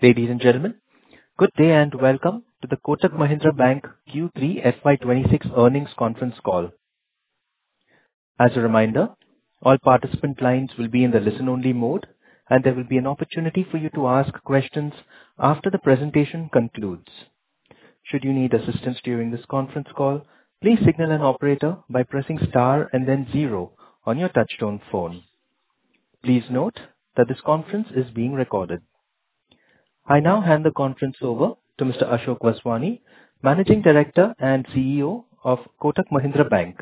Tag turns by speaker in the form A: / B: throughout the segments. A: Ladies and gentlemen, good day, and welcome to the Kotak Mahindra Bank Q3 FY 2026 Earnings Conference Call. As a reminder, all participant lines will be in the listen-only mode, and there will be an opportunity for you to ask questions after the presentation concludes. Should you need assistance during this conference call, please signal an operator by pressing star and then zero on your touchtone phone. Please note that this conference is being recorded. I now hand the conference over to Mr. Ashok Vaswani, Managing Director and CEO of Kotak Mahindra Bank.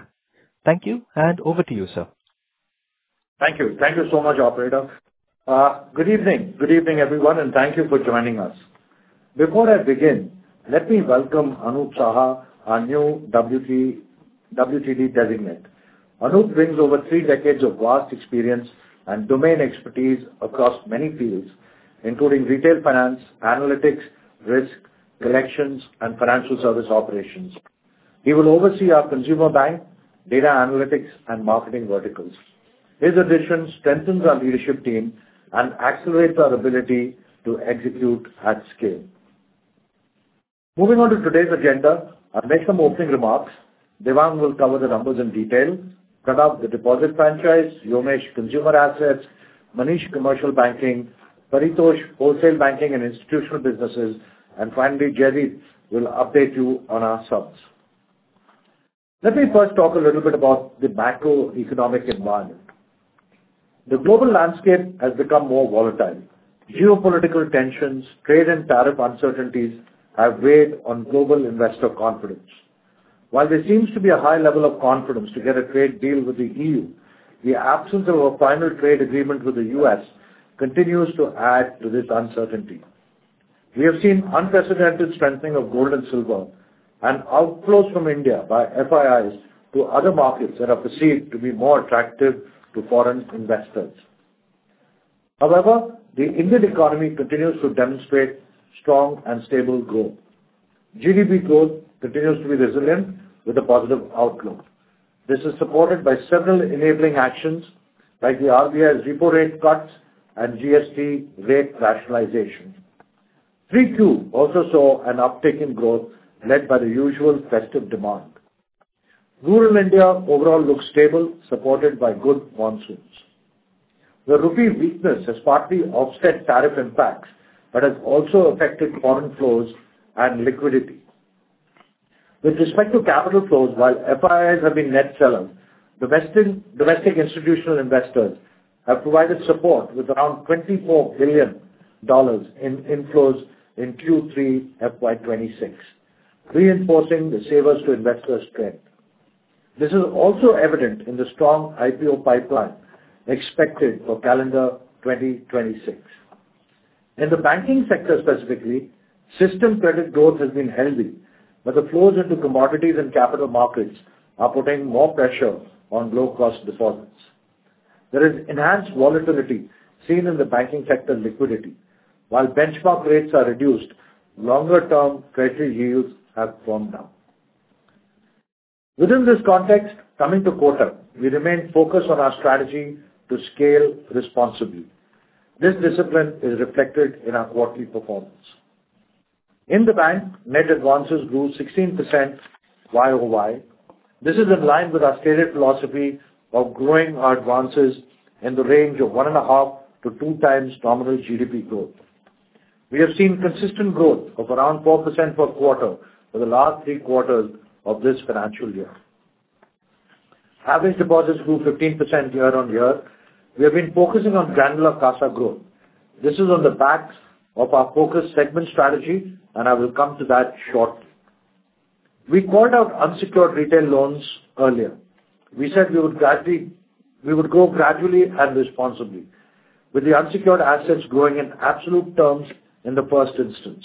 A: Thank you, and over to you, sir.
B: Thank you. Thank you so much, operator. Good evening. Good evening, everyone, and thank you for joining us. Before I begin, let me welcome Anup Saha, our new WTD designate. Anup brings over three decades of vast experience and domain expertise across many fields, including retail finance, analytics, risk, collections, and financial service operations. He will oversee our Consumer Bank, data analytics, and marketing verticals. His addition strengthens our leadership team and accelerates our ability to execute at scale. Moving on to today's agenda, I'll make some opening remarks. Devang will cover the numbers in detail. Pranav, the deposit franchise, Vyomesh, consumer assets, Manish, commercial banking, Paritosh, wholesale banking and institutional businesses, and finally, Jaideep will update you on our subs. Let me first talk a little bit about the macroeconomic environment. The global landscape has become more volatile. Geopolitical tensions, trade and tariff uncertainties have weighed on global investor confidence. While there seems to be a high level of confidence to get a trade deal with the E.U., the absence of a final trade agreement with the U.S. continues to add to this uncertainty. We have seen unprecedented strengthening of gold and silver and outflows from India by FIIs to other markets that are perceived to be more attractive to foreign investors. However, the Indian economy continues to demonstrate strong and stable growth. GDP growth continues to be resilient with a positive outlook. This is supported by several enabling actions, like the RBI's repo rate cuts and GST rate rationalization. 3Q also saw an uptick in growth, led by the usual festive demand. Rural India overall looks stable, supported by good monsoons. The rupee weakness has partly offset tariff impacts, but has also affected foreign flows and liquidity. With respect to capital flows, while FIIs have been net sellers, domestic institutional investors have provided support with around $24 billion in inflows in Q3 FY 2026, reinforcing the savers to investors trend. This is also evident in the strong IPO pipeline expected for calendar 2026. In the banking sector specifically, system credit growth has been healthy, but the flows into commodities and capital markets are putting more pressure on low-cost deposits. There is enhanced volatility seen in the banking sector liquidity. While benchmark rates are reduced, longer-term treasury yields have gone down. Within this context, coming to Kotak, we remain focused on our strategy to scale responsibly. This discipline is reflected in our quarterly performance. In the bank, net advances grew 16% Y-o-Y. This is in line with our stated philosophy of growing our advances in the range of 1.5x-2x nominal GDP growth. We have seen consistent growth of around 4% per quarter for the last three quarters of this financial year. Average deposits grew 15% year-on-year. We have been focusing on granular CASA growth. This is on the back of our focused segment strategy, and I will come to that shortly. We called out unsecured retail loans earlier. We said we would gradually--we would grow gradually and responsibly, with the unsecured assets growing in absolute terms in the first instance,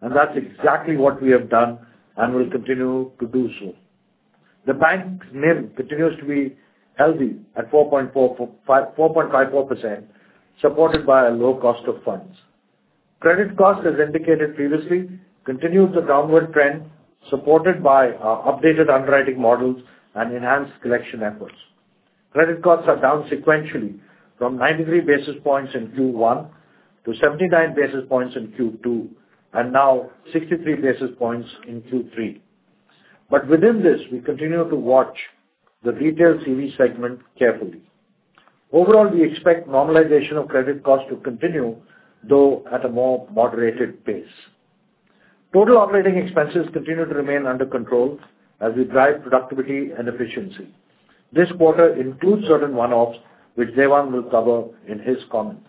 B: and that's exactly what we have done and will continue to do so. The bank's NIM continues to be healthy at 4.54%, supported by a low cost of funds. Credit cost, as indicated previously, continues a downward trend, supported by our updated underwriting models and enhanced collection efforts. Credit costs are down sequentially from 93 basis points in Q1 to 79 basis points in Q2, and now 63 basis points in Q3. But within this, we continue to watch the retail CV segment carefully. Overall, we expect normalization of credit costs to continue, though at a more moderated pace. Total operating expenses continue to remain under control as we drive productivity and efficiency. This quarter includes certain one-offs, which Devang will cover in his comments.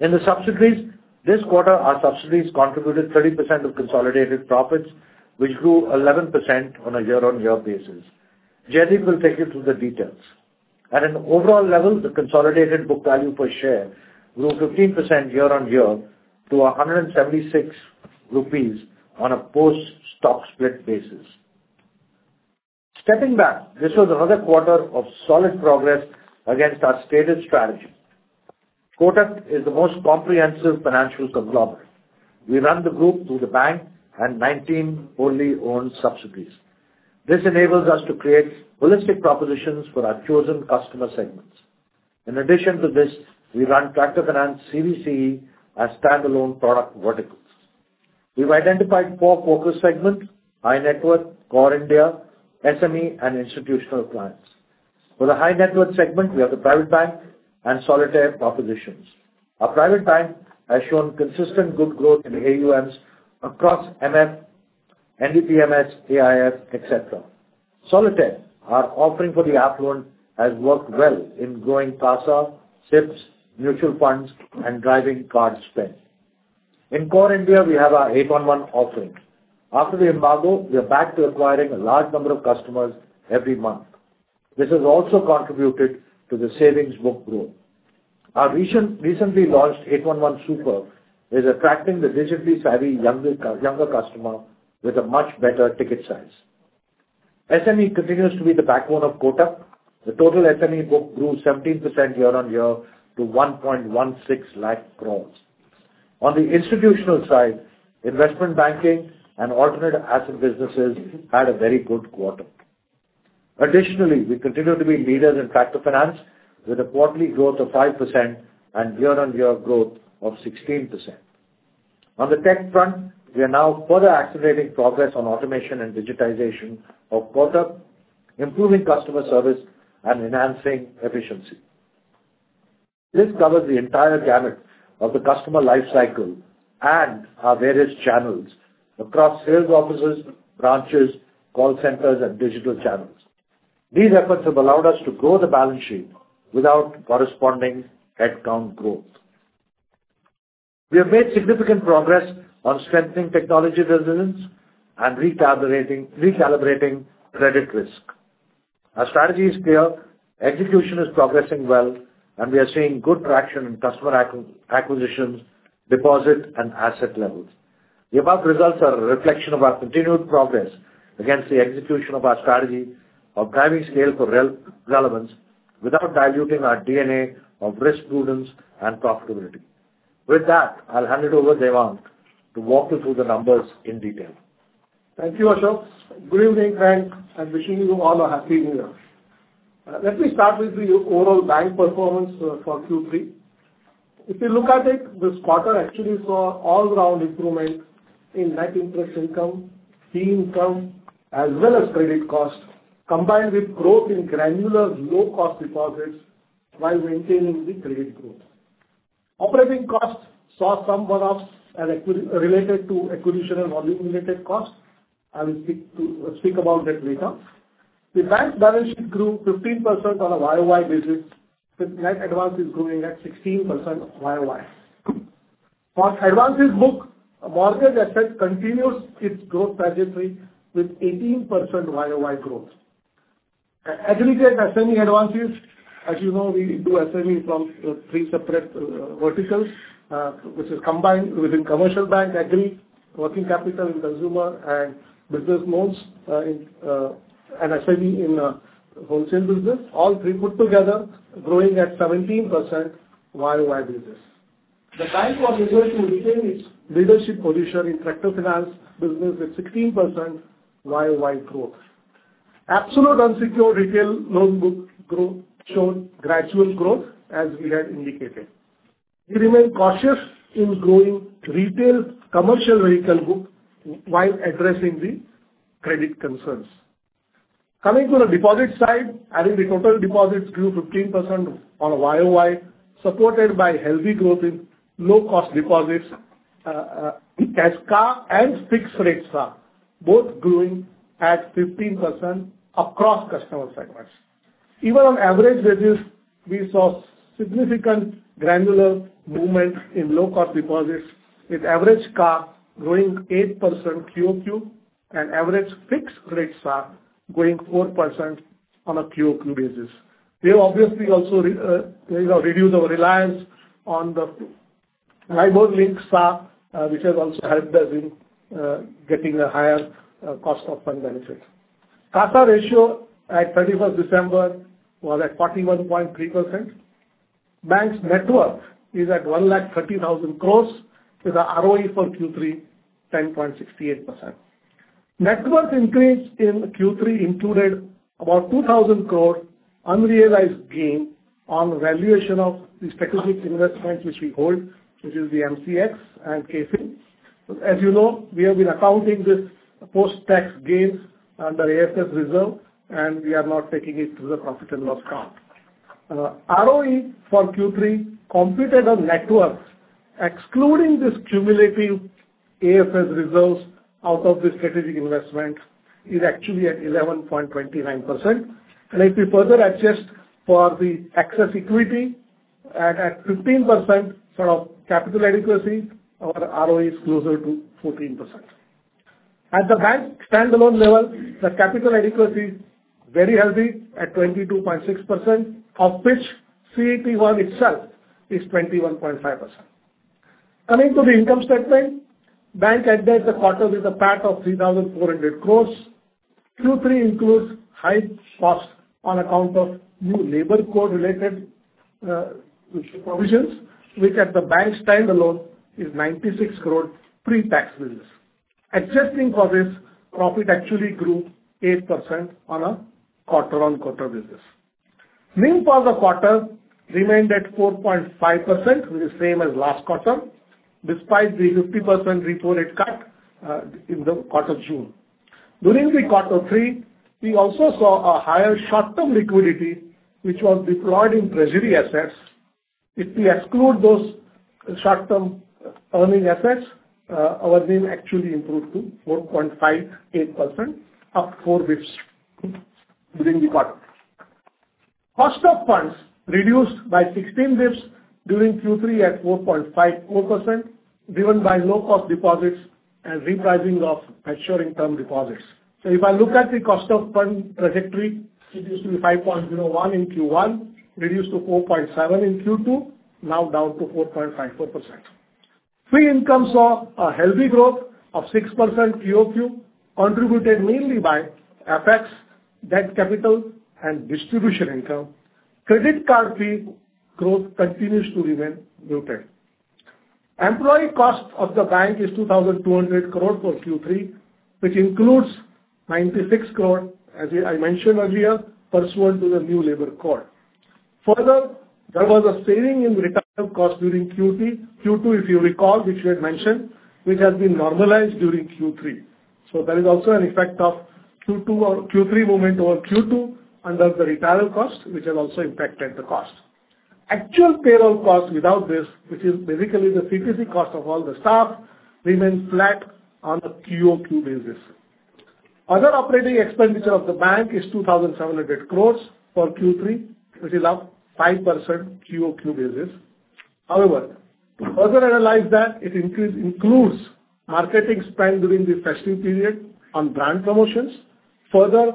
B: In the subsidiaries, this quarter, our subsidiaries contributed 30% of consolidated profits, which grew 11% on a year-on-year basis. Jaideep will take you through the details. At an overall level, the consolidated book value per share grew 15% year-on-year to 176 rupees on a post-stock split basis. Stepping back, this was another quarter of solid progress against our stated strategy. Kotak is the most comprehensive financial conglomerate. We run the group through the bank and 19 wholly owned subsidiaries. This enables us to create holistic propositions for our chosen customer segments. In addition to this, we run Tractor Finance CV/CE as standalone product verticals. We've identified four focus segments, high-net-worth, Core India, SME, and institutional clients. For the high-net-worth segment, we have the Private Bank and Solitaire propositions. Our Private Bank has shown consistent good growth in AUMs across MF, NDPMS, AIF, etc. Solitaire, our offering for the affluent, has worked well in growing CASA, SIPs, mutual funds, and driving card spend. In Core India, we have our 811 offering. After the embargo, we are back to acquiring a large number of customers every month. This has also contributed to the savings book growth. Our recently launched 811 Super is attracting the digitally savvy younger customer with a much better ticket size. SME continues to be the backbone of Kotak. The total SME book grew 17% year-over-year to 116,000 crore. On the institutional side, investment banking and alternative asset businesses had a very good quarter. Additionally, we continue to be leaders in Tractor Finance, with a quarterly growth of 5% and year-over-year growth of 16%. On the tech front, we are now further accelerating progress on automation and digitization of Kotak, improving customer service and enhancing efficiency. This covers the entire gamut of the customer life cycle and our various channels across sales offices, branches, call centers, and digital channels. These efforts have allowed us to grow the balance sheet without corresponding headcount growth. We have made significant progress on strengthening technology resilience and recalibrating credit risk. Our strategy is clear, execution is progressing well, and we are seeing good traction in customer acquisitions, deposit, and asset levels. The above results are a reflection of our continued progress against the execution of our strategy of driving scale for relevance, without diluting our DNA of risk prudence and profitability. With that, I'll hand it over to Devang to walk you through the numbers in detail.
C: Thank you, Ashok. Good evening, friends, and wishing you all a Happy New Year. Let me start with the overall bank performance for Q3. If you look at it, this quarter actually saw all-round improvement in net interest income, fee income, as well as credit cost, combined with growth in granular low-cost deposits while maintaining the credit growth. Operating costs saw some one-offs and acquisition-related and volume-related costs. I will speak about that later. The bank's balance sheet grew 15% on a Y-o-Y basis, with net advances growing at 16% Y-o-Y. For advances book, mortgage assets continues its growth trajectory with 18% Y-o-Y growth. Aggregate SME advances, as you know, we do SME from three separate verticals, which is combined within commercial bank, agri, working capital in consumer, and business loans, in, and SME in wholesale business, all three put together growing at 17% Y-o-Y basis. The bank was able to retain its leadership position in Tractor Finance business with 16% Y-o-Y growth. Absolute unsecured retail loan book growth showed gradual growth, as we had indicated. We remain cautious in growing retail commercial vehicle group while addressing the credit concerns. Coming to the deposit side, I think the total deposits grew 15% on a Y-o-Y, supported by healthy growth in low-cost deposits, as CASA and fixed rate SA, both growing at 15% across customer segments. Even on average basis, we saw significant granular movement in low-cost deposits, with average CA growing 8% Q-o-Q and average fixed rate SA growing 4% on a Q-o-Q basis. We have obviously also reduced our reliance on the MIBOR-linked SA, which has also helped us in getting a higher cost of fund benefit. CASA ratio at 31st December was at 41.3%. Bank's net worth is at 130,000 crore, with a ROE for Q3, 10.68%. Net worth increase in Q3 included about 2,000 crore unrealized gain on the valuation of the strategic investment which we hold, which is the MCX and KFin. As you know, we have been accounting this post-tax gains under AFS reserve, and we are not taking it to the profit and loss count. ROE for Q3 computed on net worth, excluding this cumulative AFS reserves out of the strategic investment, is actually at 11.29%. If we further adjust for the excess equity at 15% for capital adequacy, our ROE is closer to 14%. At the bank standalone level, the capital adequacy is very healthy at 22.6%, of which CET1 itself is 21.5%. Coming to the income statement, bank addressed the quarter with a PAT of 3,400 crore. Q3 includes high costs on account of new Labour Code-related provisions, which at the bank's standalone is 96 crore pre-tax basis. Adjusting for this, profit actually grew 8% on a quarter-on-quarter basis. NIM for the quarter remained at 4.5%, which is same as last quarter, despite the 50% repo rate cut in the quarter of June. During quarter three, we also saw a higher short-term liquidity, which was deployed in treasury assets. If we exclude those short-term earning assets, our NIM actually improved to 4.58%, up 4 bps during the quarter. Cost of funds reduced by 16 bps during Q3 at 4.54%, driven by low cost deposits and repricing of maturing term deposits. So if I look at the cost of fund trajectory, it used to be 5.01% in Q1, reduced to 4.7% in Q2, now down to 4.54%. Fee income saw a healthy growth of 6% Q-o-Q, contributed mainly by CapEx, debt capital, and distribution income. Credit card fee growth continues to remain muted. Employee cost of the bank is 2,200 crore for Q3, which includes 96 crore, as I, I mentioned earlier, pursuant to the new Labour Code. Further, there was a saving in retirement cost during Q3. Q2, if you recall, which we had mentioned, which has been normalized during Q3. So there is also an effect of Q2 or Q3 movement over Q2 under the retirement cost, which has also impacted the cost. Actual payroll cost without this, which is basically the CTC cost of all the staff, remains flat on a Q-o-Q basis. Other operating expenditure of the bank is 2,700 crore for Q3, which is up 5% Q-o-Q basis. However, further analyze that, it includes marketing spend during the festive period on brand promotions. Further,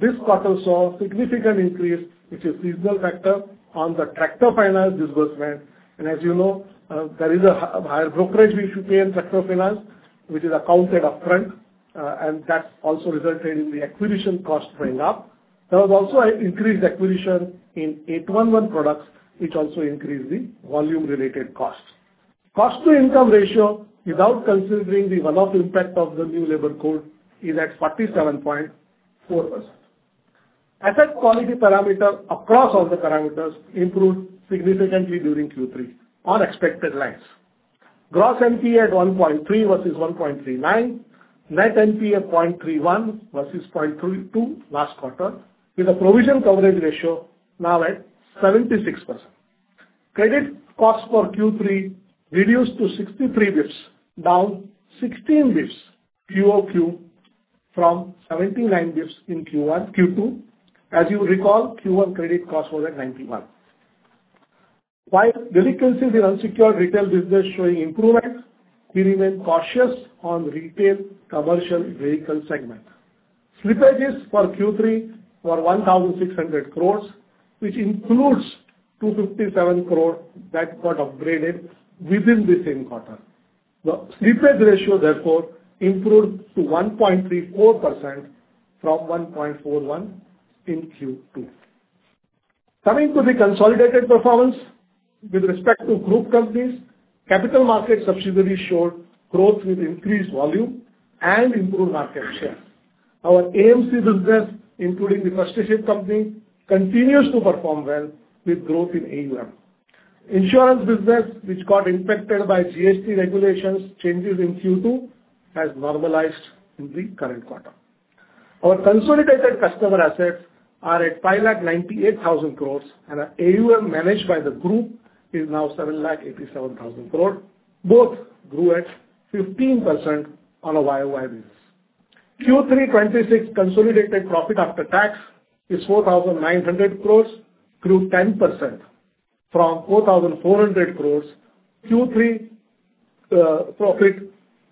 C: this quarter saw a significant increase, which is seasonal factor, on the Tractor Finance disbursement. And as you know, there is a higher brokerage we should pay in Tractor Finance, which is accounted upfront, and that also resulted in the acquisition cost going up. There was also an increased acquisition in 811 products, which also increased the volume-related costs. Cost-to-income ratio, without considering the one-off impact of the new Labour Code, is at 47.4%. Asset quality parameter across all the parameters improved significantly during Q3 on expected lines. Gross NPA at 1.3% versus 1.39%, net NPA at 0.31% versus 0.32% last quarter, with a provision coverage ratio now at 76%. Credit cost for Q3 reduced to 63 basis points, down 16 bps Q-o-Q from 79 bps in Q2. As you recall, Q1 credit cost was at 91. While delinquencies in unsecured retail business showing improvements, we remain cautious on retail commercial vehicle segment. Slippages for Q3 were 1,600 crore, which includes 257 crore that got upgraded within the same quarter. The slippage ratio, therefore, improved to 1.34% from 1.41% in Q2. Coming to the consolidated performance with respect to group companies, capital market subsidiary showed growth with increased volume and improved market share. Our AMC business, including the Trustee Company, continues to perform well with growth in AUM. Insurance business, which got impacted by GST regulations, changes in Q2, has normalized in the current quarter. Our consolidated customer assets are at 598,000 crore, and our AUM managed by the group is now 787,000 crore. Both grew at 15% on a Y-o-Y basis. Q3 26 consolidated profit after tax is 4,900 crore, grew 10% from 4,400 crore. Q3, profit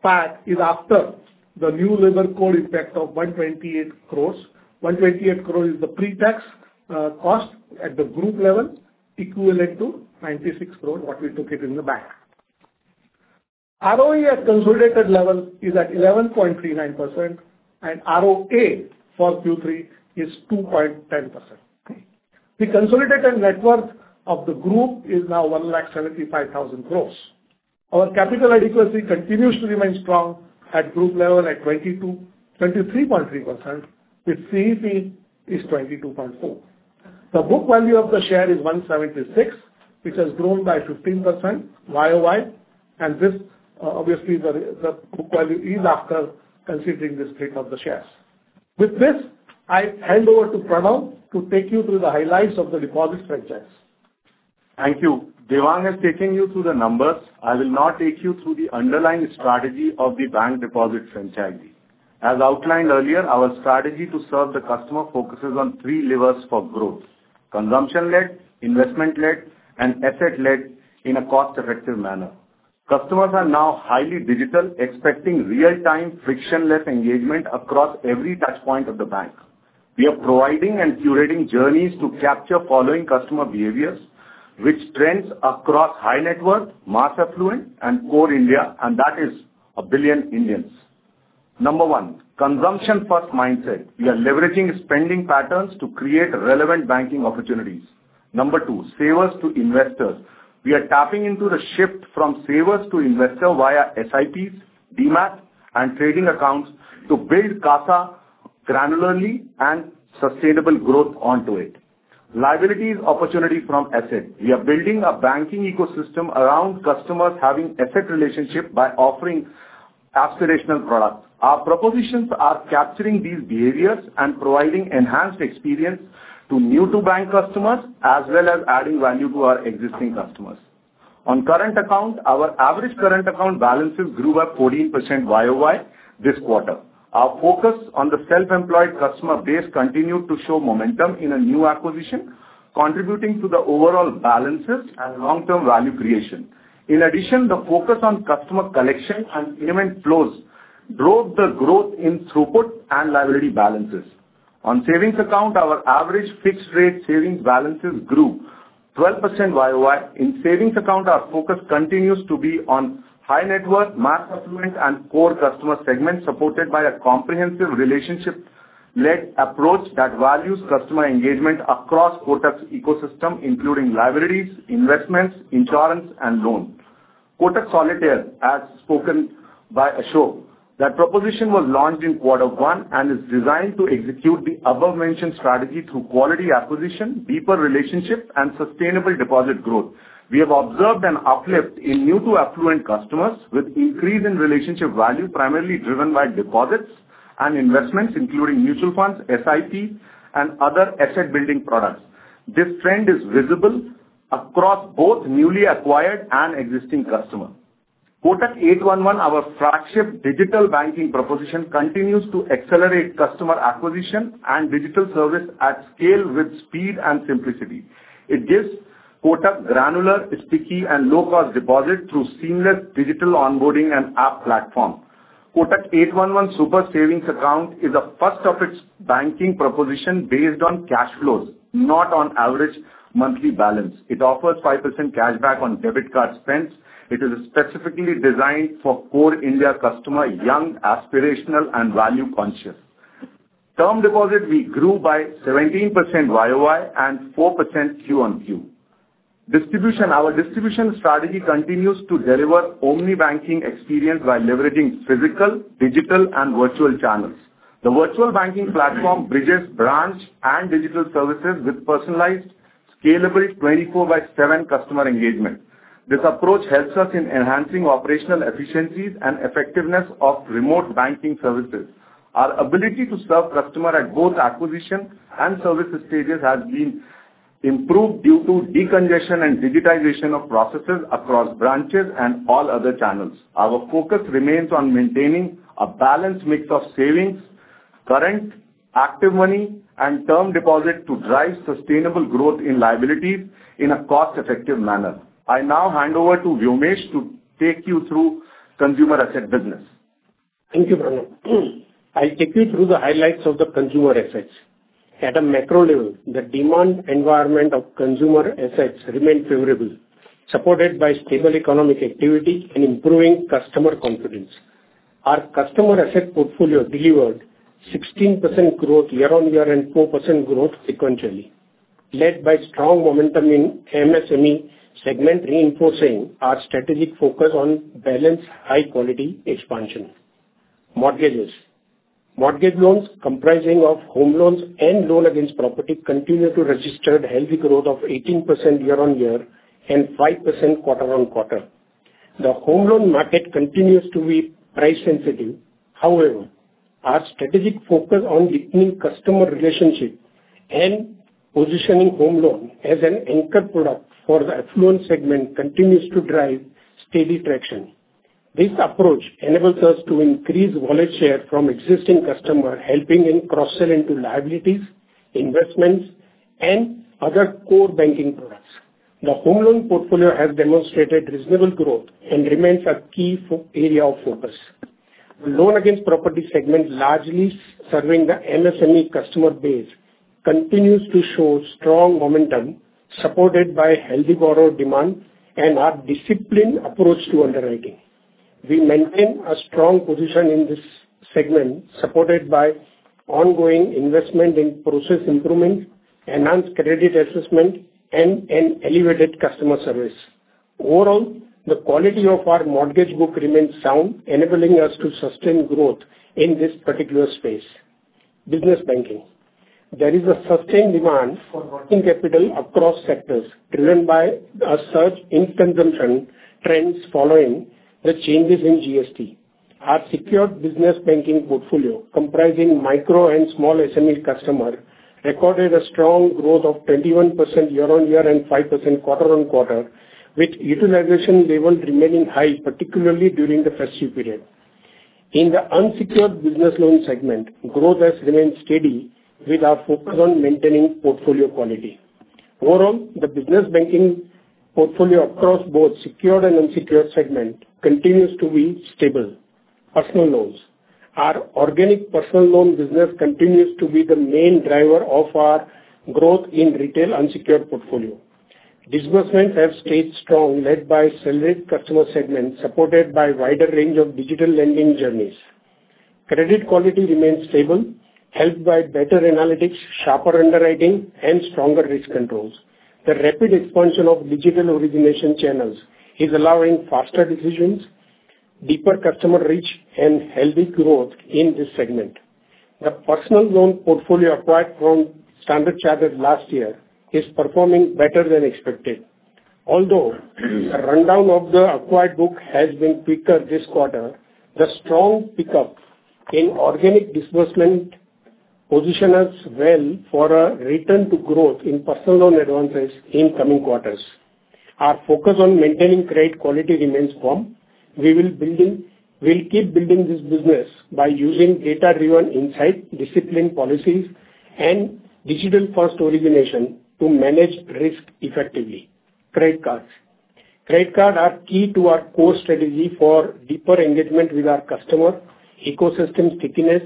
C: PAT is after the new Labour Code impact of 128 crore. 128 crore is the pre-tax, cost at the group level, equivalent to 96 crore, what we took it in the bank. ROE at consolidated level is at 11.39%, and ROA for Q3 is 2.10%. The consolidated net worth of the group is now 175,000 crore. Our capital adequacy continues to remain strong at group level at 22%--23.3%, with CET1 is 22.4%. The book value of the share is 176, which has grown by 15% Y-o-Y, and this, obviously the book value is after considering the split of the shares. With this, I hand over to Pranav to take you through the highlights of the deposit franchise.
D: Thank you. Devang is taking you through the numbers. I will now take you through the underlying strategy of the bank deposit franchise. As outlined earlier, our strategy to serve the customer focuses on three levers for growth: consumption-led, investment-led, and asset-led in a cost-effective manner. Customers are now highly digital, expecting real-time, frictionless engagement across every touch point of the bank. We are providing and curating journeys to capture following customer behaviors, which trends across high net worth, mass affluent, and Core India, and that is a billion Indians. Number one, consumption-first mindset. We are leveraging spending patterns to create relevant banking opportunities. Number two, savers to investors. We are tapping into the shift from savers to investor via SIPs, Demat, and trading accounts to build CASA granularly and sustainable growth onto it. Liabilities opportunity from asset. We are building a banking ecosystem around customers having asset relationship by offering aspirational products. Our propositions are capturing these behaviors and providing enhanced experience to new-to-bank customers, as well as adding value to our existing customers. On current account, our average current account balances grew by 14% Y-o-Y this quarter. Our focus on the self-employed customer base continued to show momentum in a new acquisition, contributing to the overall balances and long-term value creation. In addition, the focus on customer collection and payment flows drove the growth in throughput and liability balances. On savings account, our average fixed rate savings balances grew 12% Y-o-Y. In savings account, our focus continues to be on high net worth, mass affluent, and core customer segments, supported by a comprehensive relationship-led approach that values customer engagement across Kotak's ecosystem, including liabilities, investments, insurance, and loans. Kotak Solitaire, as spoken by Ashok, that proposition was launched in quarter one and is designed to execute the above-mentioned strategy through quality acquisition, deeper relationships, and sustainable deposit growth. We have observed an uplift in new to affluent customers, with increase in relationship value, primarily driven by deposits and investments, including mutual funds, SIP, and other asset-building products. This trend is visible across both newly acquired and existing customer. Kotak 811, our flagship digital banking proposition, continues to accelerate customer acquisition and digital service at scale with speed and simplicity. It gives Kotak granular, sticky, and low-cost deposit through seamless digital onboarding and app platform. Kotak 811 Super savings account is the first of its banking proposition based on cash flows, not on average monthly balance. It offers 5% cashback on debit card spends. It is specifically designed for Core India customer, young, aspirational, and value-conscious. Term deposit, we grew by 17% Y-o-Y and 4% Q-on-Q. Distribution. Our distribution strategy continues to deliver omni-banking experience by leveraging physical, digital, and virtual channels. The virtual banking platform bridges branch and digital services with personalized, scalable, 24/7 customer engagement. This approach helps us in enhancing operational efficiencies and effectiveness of remote banking services. Our ability to serve customer at both acquisition and service stages has been improved due to decongestion and digitization of processes across branches and all other channels. Our focus remains on maintaining a balanced mix of savings, current, ActivMoney, and term deposit to drive sustainable growth in liabilities in a cost-effective manner. I now hand over to Vyomesh to take you through consumer asset business.
E: Thank you, Pranav. I'll take you through the highlights of the consumer assets. At a macro level, the demand environment of consumer assets remained favorable, supported by stable economic activity and improving customer confidence. Our customer asset portfolio delivered 16% growth year-on-year and 4% growth sequentially, led by strong momentum in MSME segment, reinforcing our strategic focus on balanced, high-quality expansion. Mortgages. Mortgage loans comprising of home loans and loan against property, continued to register a healthy growth of 18% year-on-year and 5% quarter-on-quarter. The home loan market continues to be price sensitive. However, our strategic focus on deepening customer relationship and positioning home loan as an anchor product for the affluent segment continues to drive steady traction. This approach enables us to increase wallet share from existing customer, helping in cross-sell into liabilities, investments, and other core banking products. The home loan portfolio has demonstrated reasonable growth and remains a key focus area of focus. The loan against property segment, largely serving the MSME customer base, continues to show strong momentum, supported by healthy borrower demand and our disciplined approach to underwriting. We maintain a strong position in this segment, supported by ongoing investment in process improvement, enhanced credit assessment, and an elevated customer service. Overall, the quality of our mortgage book remains sound, enabling us to sustain growth in this particular space. Business banking. There is a sustained demand for working capital across sectors, driven by a surge in consumption trends following the changes in GST. Our secured business banking portfolio, comprising micro and small SME customers, recorded a strong growth of 21% year-on-year and 5% quarter-on-quarter, with utilization levels remaining high, particularly during the festive period. In the unsecured business loan segment, growth has remained steady with our focus on maintaining portfolio quality. Overall, the business banking portfolio across both secured and unsecured segment continues to be stable. Personal loans. Our organic personal loan business continues to be the main driver of our growth in retail unsecured portfolio. Disbursement have stayed strong, led by salaried customer segment, supported by wider range of digital lending journeys. Credit quality remains stable, helped by better analytics, sharper underwriting, and stronger risk controls. The rapid expansion of digital origination channels is allowing faster decisions, deeper customer reach, and healthy growth in this segment. The personal loan portfolio acquired from Standard Chartered last year is performing better than expected. Although the rundown of the acquired book has been quicker this quarter, the strong pickup in organic disbursement positions us well for a return to growth in personal loan advances in coming quarters. Our focus on maintaining credit quality remains firm. We'll keep building this business by using data-driven insight, disciplined policies, and digital-first origination to manage risk effectively. Credit cards. Credit cards are key to our core strategy for deeper engagement with our customers, ecosystem stickiness,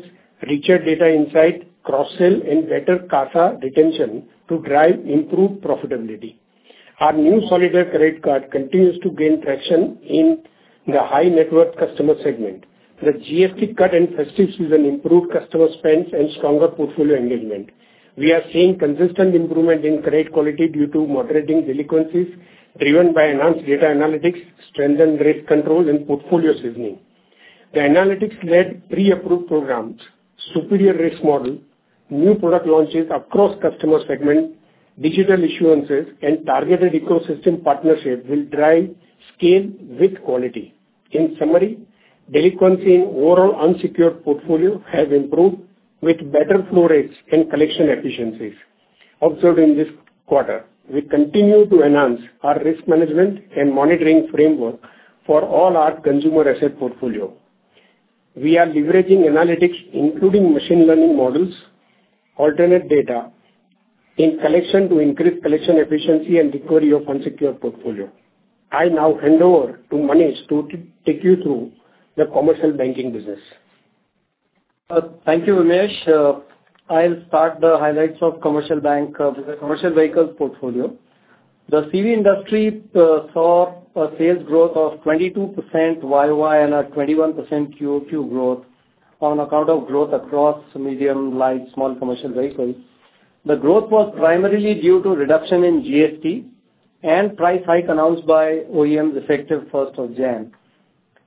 E: richer data insight, cross-sell, and better CASA retention to drive improved profitability. Our new Solitaire credit card continues to gain traction in the high-net-worth customer segment. The GST cut and festive season improved customer spends and stronger portfolio engagement. We are seeing consistent improvement in credit quality due to moderating delinquencies, driven by enhanced data analytics, strengthened risk control, and portfolio seasoning. The analytics-led pre-approved programs, superior risk model, new product launches across customer segment, digital issuances, and targeted ecosystem partnerships will drive scale with quality. In summary, delinquency in overall unsecured portfolio have improved with better flow rates and collection efficiencies observed in this quarter. We continue to enhance our risk management and monitoring framework for all our consumer asset portfolio. We are leveraging analytics, including machine learning models, alternate data in collection to increase collection efficiency and recovery of unsecured portfolio. I now hand over to Manish to take you through the commercial banking business.
F: Thank you, Vyomesh. I'll start the highlights of commercial banking, commercial vehicles portfolio. The CV industry saw a sales growth of 22% Y-o-Y and a 21% Q-o-Q growth on account of growth across medium, light, small commercial vehicles. The growth was primarily due to reduction in GST and price hike announced by OEMs, effective first of January.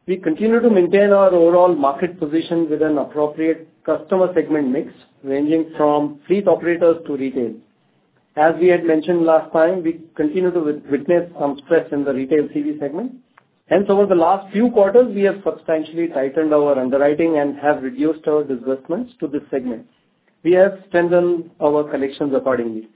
F: We continue to maintain our overall market position with an appropriate customer segment mix, ranging from fleet operators to retail. As we had mentioned last time, we continue to witness some stress in the retail CV segment, and so over the last few quarters, we have substantially tightened our underwriting and have reduced our disbursements to this segment. We have strengthened our collections accordingly.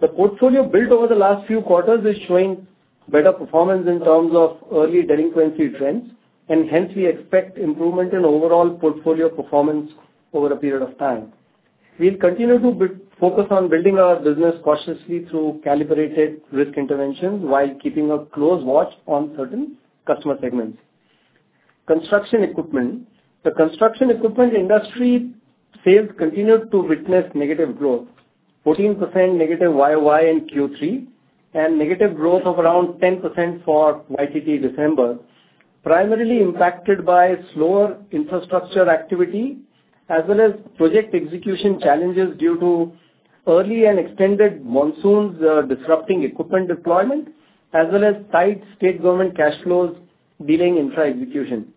F: The portfolio built over the last few quarters is showing better performance in terms of early delinquency trends, and hence we expect improvement in overall portfolio performance over a period of time. We'll continue to focus on building our business cautiously through calibrated risk interventions, while keeping a close watch on certain customer segments. Construction equipment. The construction equipment industry sales continued to witness negative growth, 14% negative Y-o-Y in Q3, and negative growth of around 10% for YTD December, primarily impacted by slower infrastructure activity, as well as project execution challenges due to early and extended monsoons, disrupting equipment deployment, as well as tight state government cash flows delaying infra execution.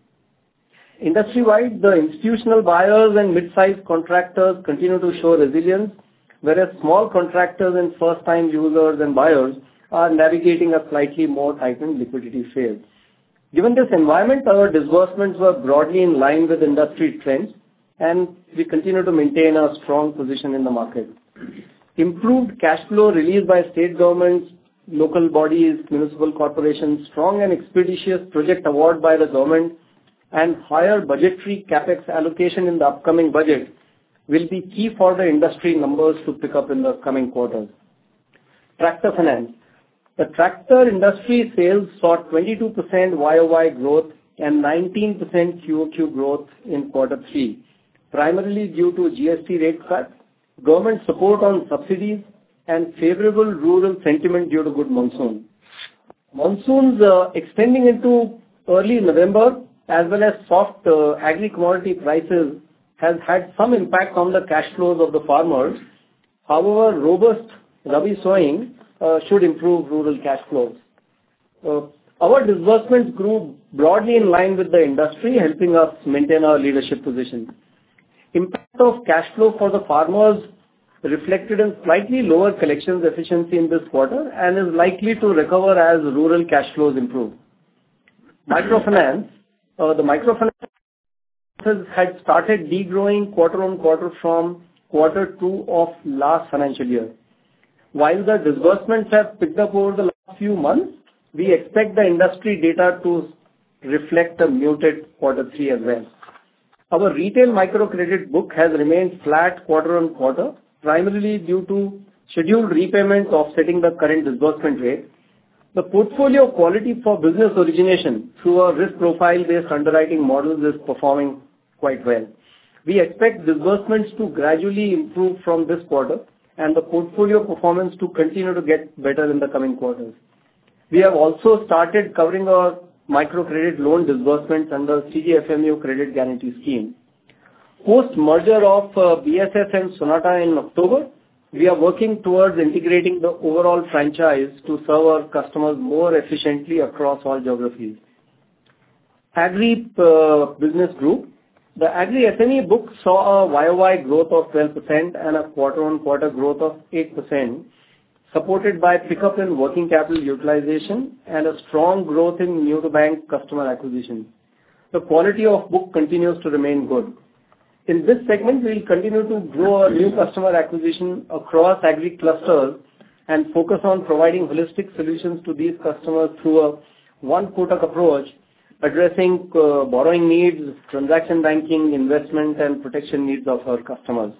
F: Industry-wide, the institutional buyers and mid-sized contractors continue to show resilience, whereas small contractors and first-time users and buyers are navigating a slightly more tightened liquidity phase. Given this environment, our disbursements were broadly in line with industry trends, and we continue to maintain our strong position in the market. Improved cash flow relieved by state governments, local bodies, municipal corporations, strong and expeditious project award by the government, and higher budgetary CapEx allocation in the upcoming budget will be key for the industry numbers to pick up in the coming quarters. Tractor finance. The tractor industry sales saw 22% Y-o-Y growth and 19% Q-o-Q growth in quarter three, primarily due to GST rate cut, government support on subsidies, and favorable rural sentiment due to good monsoon. Monsoons, extending into early November, as well as soft, agri commodity prices, has had some impact on the cash flows of the farmers. However, robust Rabi sowing, should improve rural cash flows. Our disbursements grew broadly in line with the industry, helping us maintain our leadership position. Impact of cash flow for the farmers reflected in slightly lower collections efficiency in this quarter, and is likely to recover as rural cash flows improve. Microfinance. The microfinance had started degrowing quarter-on-quarter from quarter two of last financial year. While the disbursements have picked up over the last few months, we expect the industry data to reflect a muted quarter three as well. Our retail micro credit book has remained flat quarter-on-quarter, primarily due to scheduled repayments offsetting the current disbursement rate. The portfolio quality for business origination through our risk profile-based underwriting model is performing quite well. We expect disbursements to gradually improve from this quarter and the portfolio performance to continue to get better in the coming quarters. We have also started covering our microcredit loan disbursements under CGFMU credit guarantee scheme. Post-merger of BSS and Sonata in October, we are working towards integrating the overall franchise to serve our customers more efficiently across all geographies. Agri business group. The agri SME book saw a Y-o-Y growth of 12% and a quarter-on-quarter growth of 8%, supported by pick-up in working capital utilization and a strong growth in new-to-bank customer acquisition. The quality of book continues to remain good. In this segment, we'll continue to grow our new customer acquisition across agri clusters and focus on providing holistic solutions to these customers through a one Kotak approach, addressing borrowing needs, transaction banking, investment, and protection needs of our customers.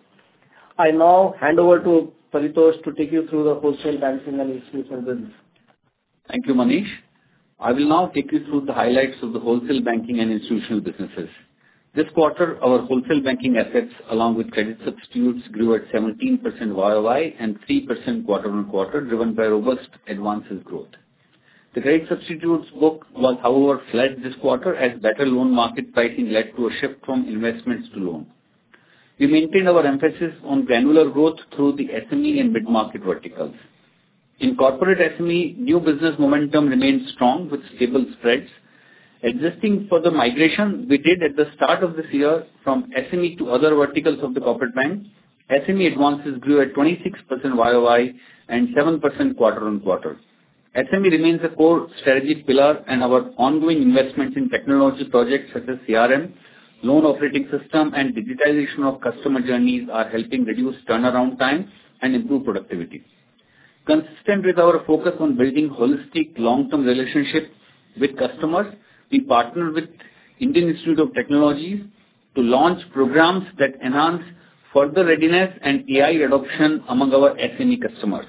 F: I now hand over to Paritosh to take you through the wholesale banking and institutional business.
G: Thank you, Manish. I will now take you through the highlights of the wholesale banking and institutional businesses. This quarter, our wholesale banking assets, along with credit substitutes, grew at 17% Y-o-Y and 3% quarter-on-quarter, driven by robust advances growth. The credit substitutes book was, however, flat this quarter, as better loan market pricing led to a shift from investments to loans. We maintained our emphasis on granular growth through the SME and mid-market verticals. In corporate SME, new business momentum remained strong with stable spreads. Existing further migration we did at the start of this year from SME to other verticals of the corporate bank, SME advances grew at 26% Y-o-Y and 7% quarter-on-quarter. SME remains a core strategy pillar and our ongoing investment in technology projects such as CRM, loan operating system, and digitization of customer journeys are helping reduce turnaround time and improve productivity. Consistent with our focus on building holistic, long-term relationships with customers, we partnered with Indian Institute of Technology to launch programs that enhance further readiness and AI adoption among our SME customers.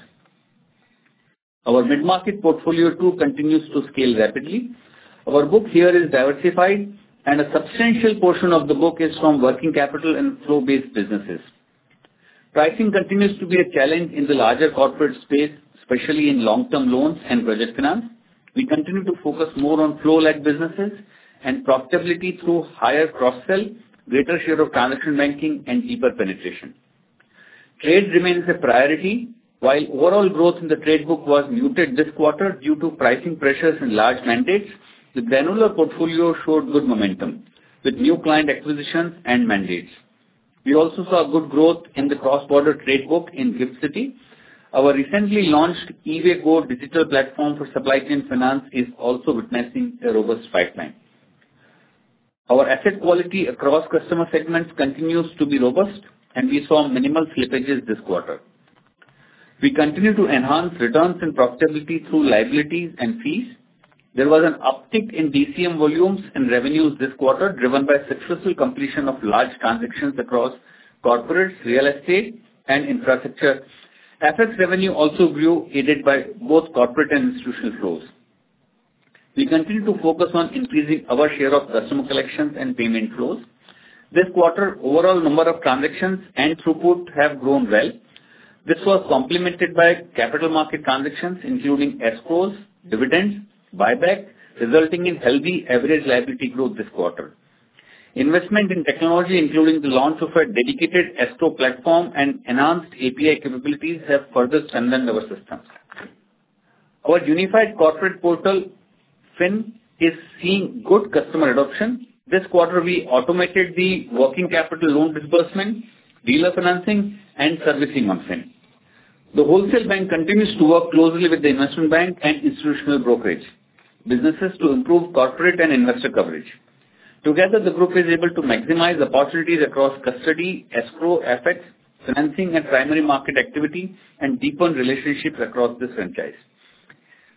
G: Our mid-market portfolio, too, continues to scale rapidly. Our book here is diversified, and a substantial portion of the book is from working capital and flow-based businesses. Pricing continues to be a challenge in the larger corporate space, especially in long-term loans and project finance. We continue to focus more on flow-led businesses and profitability through higher cross-sell, greater share of transaction banking, and deeper penetration. Trade remains a priority. While overall growth in the trade book was muted this quarter due to pricing pressures and large mandates, the granular portfolio showed good momentum, with new client acquisitions and mandates. We also saw good growth in the cross-border trade book in GIFT City. Our recently launched E-Way Go digital platform for supply chain finance is also witnessing a robust pipeline. Our asset quality across customer segments continues to be robust, and we saw minimal slippages this quarter. We continue to enhance returns and profitability through liabilities and fees. There was an uptick in DCM volumes and revenues this quarter, driven by successful completion of large transactions across corporates, real estate, and infrastructure. Asset revenue also grew, aided by both corporate and institutional flows. We continue to focus on increasing our share of customer collections and payment flows. This quarter, overall number of transactions and throughput have grown well. This was complemented by capital market transactions, including escrows, dividends, buyback, resulting in healthy average liability growth this quarter. Investment in technology, including the launch of a dedicated escrow platform and enhanced API capabilities, have further strengthened our systems. Our unified corporate portal, fyn, is seeing good customer adoption. This quarter, we automated the working capital loan disbursement, dealer financing, and servicing on fyn. The Wholesale Bank continues to work closely with the investment bank and institutional brokerage businesses to improve corporate and investor coverage. Together, the group is able to maximize opportunities across custody, escrow, FX, financing and primary market activity, and deepen relationships across this franchise.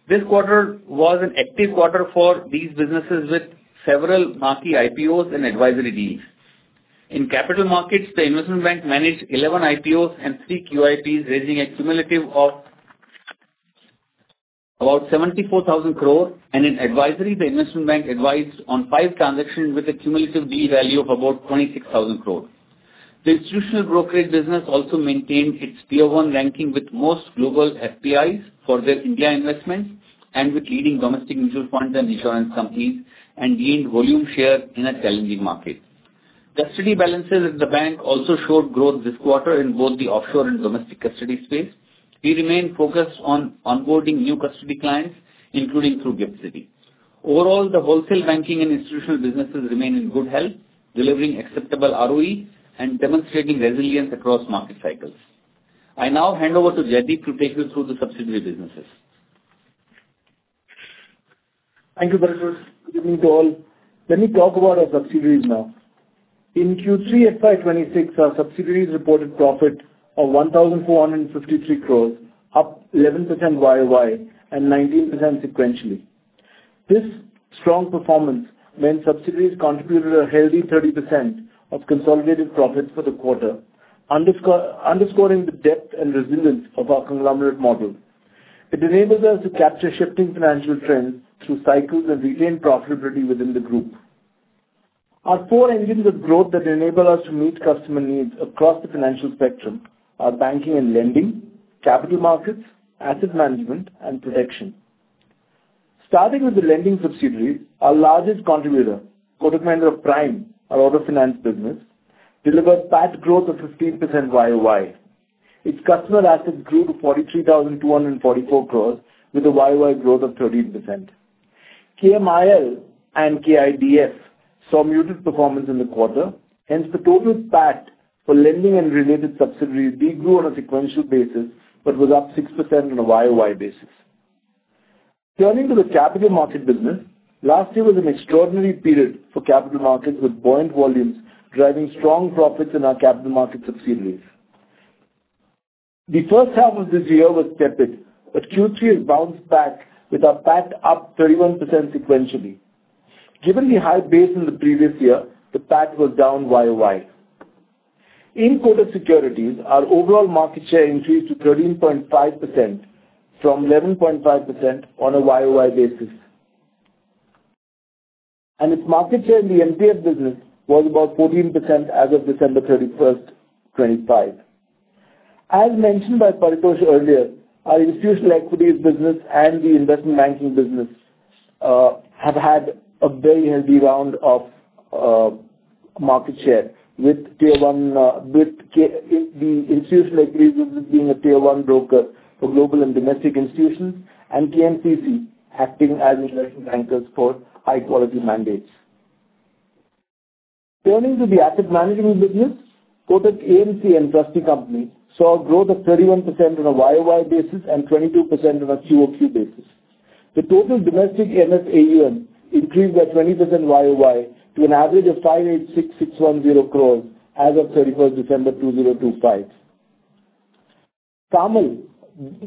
G: This quarter was an active quarter for these businesses, with several marquee IPOs and advisory deals. In capital markets, the investment bank managed 11 IPOs and 3 QIPs, raising a cumulative of about 74,000 crore. In advisory, the investment bank advised on five transactions with a cumulative deal value of about 26,000 crore. The institutional brokerage business also maintained its tier one ranking with most global FIIs for their India investments and with leading domestic mutual funds and insurance companies, and gained volume share in a challenging market. Custody balances in the bank also showed growth this quarter in both the offshore and domestic custody space. We remain focused on onboarding new custody clients, including through GIFT City. Overall, the wholesale banking and institutional businesses remain in good health, delivering acceptable ROE and demonstrating resilience across market cycles. I now hand over to Jaideep to take you through the subsidiary businesses.
H: Thank you, Paritosh. Good evening to all. Let me talk about our subsidiaries now. In Q3 FY 2026, our subsidiaries reported profit of 1,453 crore, up 11% Y-o-Y and 19% sequentially. This strong performance meant subsidiaries contributed a healthy 30% of consolidated profits for the quarter, underscoring the depth and resilience of our conglomerate model. It enables us to capture shifting financial trends through cycles and retain profitability within the group. Our four engines of growth that enable us to meet customer needs across the financial spectrum are banking and lending, capital markets, asset management, and protection. Starting with the lending subsidiary, our largest contributor, Kotak Mahindra Prime, our auto finance business, delivered PAT growth of 15% Y-o-Y. Its customer assets grew to 43,244 crores with a Y-o-Y growth of 13%. KMIL and KIDF saw muted performance in the quarter, hence the total PAT for lending and related subsidiaries de-grew on a sequential basis, but was up 6% on a Y-o-Y basis. Turning to the capital market business, last year was an extraordinary period for capital markets, with buoyant volumes driving strong profits in our capital market subsidiaries. The first half of this year was tepid, but Q3 has bounced back with our PAT up 31% sequentially. Given the high base in the previous year, the PAT was down Y-o-Y. In Kotak Securities, our overall market share increased to 13.5% from 11.5% on a Y-o-Y basis. And its market share in the MTF business was about 14% as of December 31, 2025. As mentioned by Paritosh earlier, our institutional equities business and the investment banking business have had a very healthy round of market share with tier one, with the institutional equities business being a tier one broker for global and domestic institutions, and KMCC acting as investment bankers for high-quality mandates. Turning to the asset management business, Kotak AMC and Trustee Company saw a growth of 31% on a Y-o-Y basis and 22% on a Q-o-Q basis. The total domestic AUM increased by 20% Y-o-Y to an average of 586,610 crore as of 31st December 2025.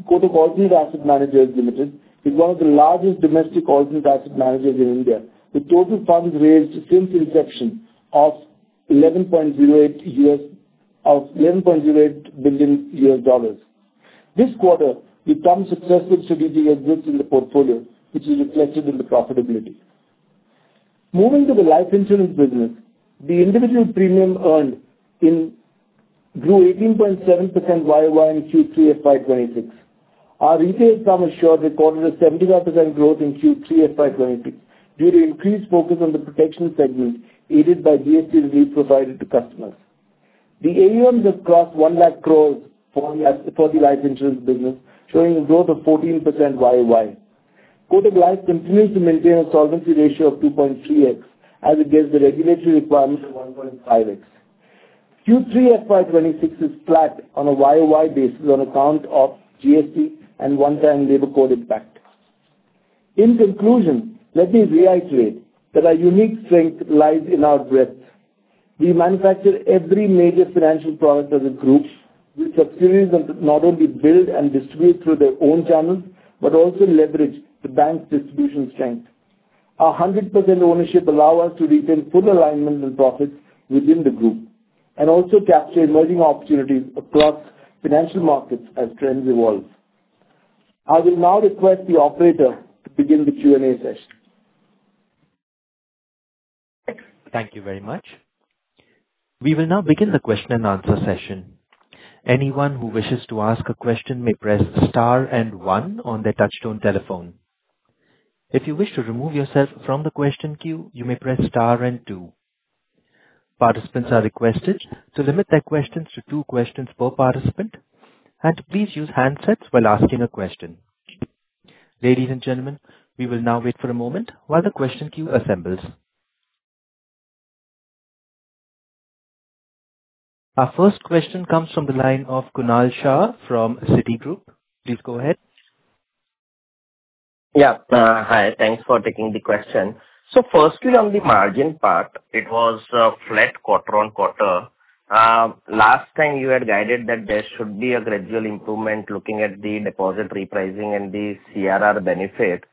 H: Kotak Alternative Asset Managers Limited is one of the largest domestic alternative asset managers in India, with total funds raised since inception of 11.08 years, of -- $11.08 billion. This quarter, we found successful strategic exits in the portfolio, which is reflected in the profitability. Moving to the life insurance business, the individual premium earned in grew 18.7% Y-o-Y in Q3 FY 2026. Our retail term assurance recorded a 79% growth in Q3 FY 2026, due to increased focus on the protection segment, aided by GST we provided to customers. The AUMs have crossed 100,000 crore for the life insurance business, showing a growth of 14% Y-o-Y. Kotak Life continues to maintain a solvency ratio of 2.3x, as against the regulatory requirement of 1.5x. Q3 FY 2026 is flat on a Y-o-Y basis on account of GST and one-time Labour Code impact. In conclusion, let me reiterate that our unique strength lies in our breadth. We manufacture every major financial product as a group, with subsidiaries that not only build and distribute through their own channels, but also leverage the bank's distribution strength. Our 100% ownership allow us to retain full alignment and profits within the group and also capture emerging opportunities across financial markets as trends evolve. I will now request the operator to begin the Q&A session.
A: Thank you very much. We will now begin the question and answer session. Anyone who wishes to ask a question may press star and one on their touchtone telephone. If you wish to remove yourself from the question queue, you may press star and two. Participants are requested to limit their questions to two questions per participant, and please use handsets while asking a question. Ladies and gentlemen, we will now wait for a moment while the question queue assembles. Our first question comes from the line of Kunal Shah from Citigroup. Please go ahead.
I: Yeah, hi. Thanks for taking the question. So firstly, on the margin part, it was a flat quarter-on-quarter. Last time you had guided that there should be a gradual improvement looking at the deposit repricing and the CRR benefit.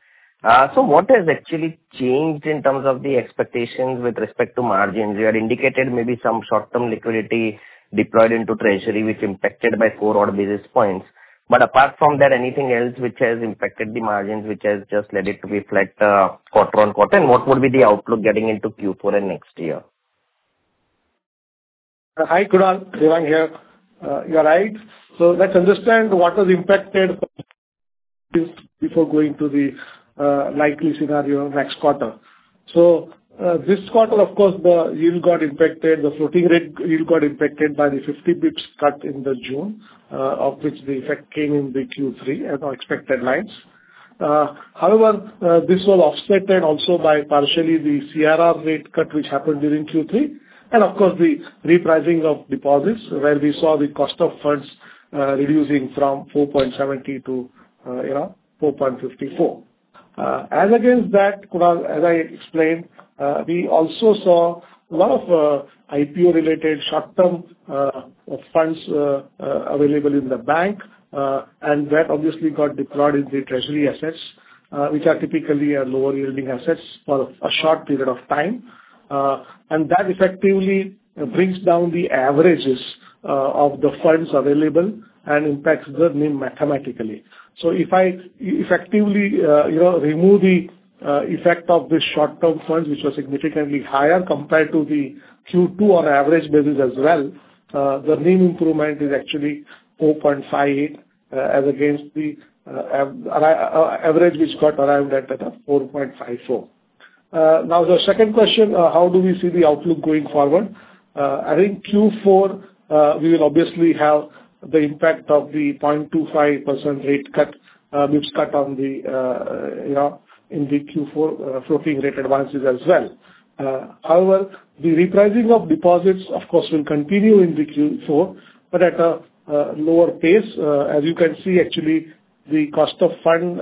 I: So what has actually changed in terms of the expectations with respect to margins? You had indicated maybe some short-term liquidity deployed into treasury, which impacted by odd 4 basis points. But apart from that, anything else which has impacted the margins, which has just led it to be flat, quarter-on-quarter? And what would be the outlook getting into Q4 and next year?
C: Hi, Kunal. Devang here. You're right. So let's understand what has impacted this before going to the likely scenario next quarter. So, this quarter, of course, the yield got impacted, the floating rate yield got impacted by the fifty basis points cut in the June, of which the effect came in the Q3 as on expected lines. However, this was offset also by partially the CRR rate cut, which happened during Q3, and of course, the repricing of deposits, where we saw the cost of funds reducing from 4.70% to, you know, 4.54%. As against that, Kunal, as I explained, we also saw a lot of IPO-related short-term funds available in the bank, and that obviously got deployed in the treasury assets, which are typically lower-yielding assets for a short period of time. And that effectively brings down the averages of the funds available and impacts the NIM mathematically. So if I effectively, you know, remove the effect of the short-term funds, which were significantly higher compared to the Q2 on an average basis as well, the NIM improvement is actually 4.5%, as against the average which got arrived at, at a 4.54%. Now, the second question, how do we see the outlook going forward? I think Q4, we will obviously have the impact of the 0.25% rate cut, which cut on the, you know, in the Q4 floating rate advances as well. However, the repricing of deposits, of course, will continue in the Q4, but at a lower pace. As you can see, actually, the cost of fund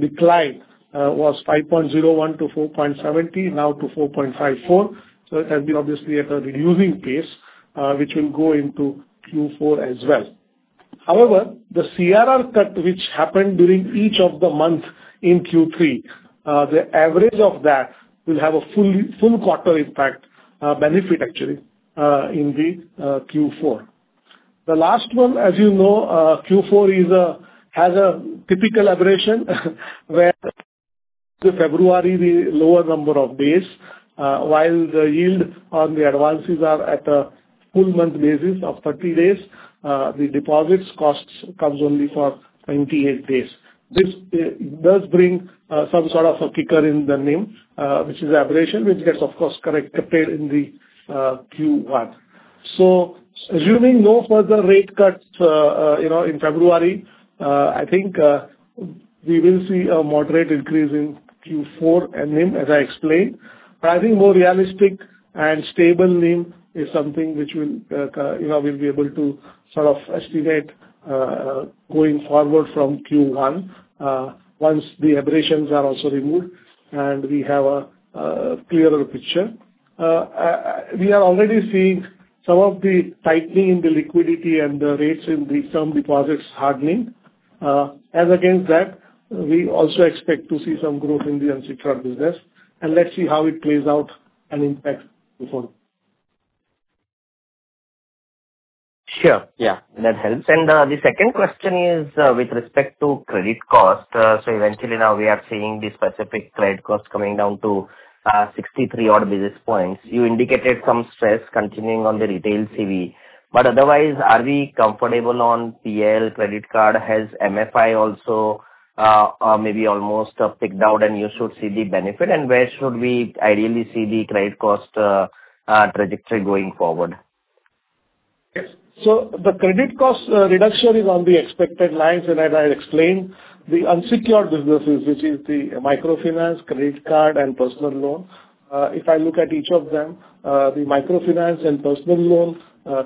C: decline was 5.01%-4.70%, now to 4.54%. So it has been obviously at a reducing pace, which will go into Q4 as well. However, the CRR cut, which happened during each of the month in Q3, the average of that will have a full quarter impact benefit actually in the Q4. The last one, as you know, Q4 is a, has a typical aberration, where the February, the lower number of days, while the yield on the advances are at a full month basis of 30 days, the deposits costs comes only for 28 days. This, does bring, some sort of a kicker in the NIM, which is aberration, which gets of course corrected in the, Q1. So assuming no further rate cuts, you know, in February, I think, we will see a moderate increase in Q4 and NIM, as I explained. But I think more realistic and stable NIM is something which will, you know, we'll be able to sort of estimate, going forward from Q1, once the aberrations are also removed and we have a, clearer picture. We are already seeing some of the tightening in the liquidity and the rates in the term deposits hardening. As against that, we also expect to see some growth in the unsecured business, and let's see how it plays out and impacts before.
I: Sure, yeah, that helps. The second question is with respect to credit cost. So eventually now we are seeing the specific credit cost coming down to 63 odd basis points. You indicated some stress continuing on the retail CV, but otherwise, are we comfortable on PL, credit card, has MFI also maybe almost picked out and you should see the benefit? And where should we ideally see the credit cost trajectory going forward?
C: Yes. So the credit cost reduction is on the expected lines, and as I explained, the unsecured businesses, which is the microfinance, credit card and personal loan. If I look at each of them, the microfinance and personal loan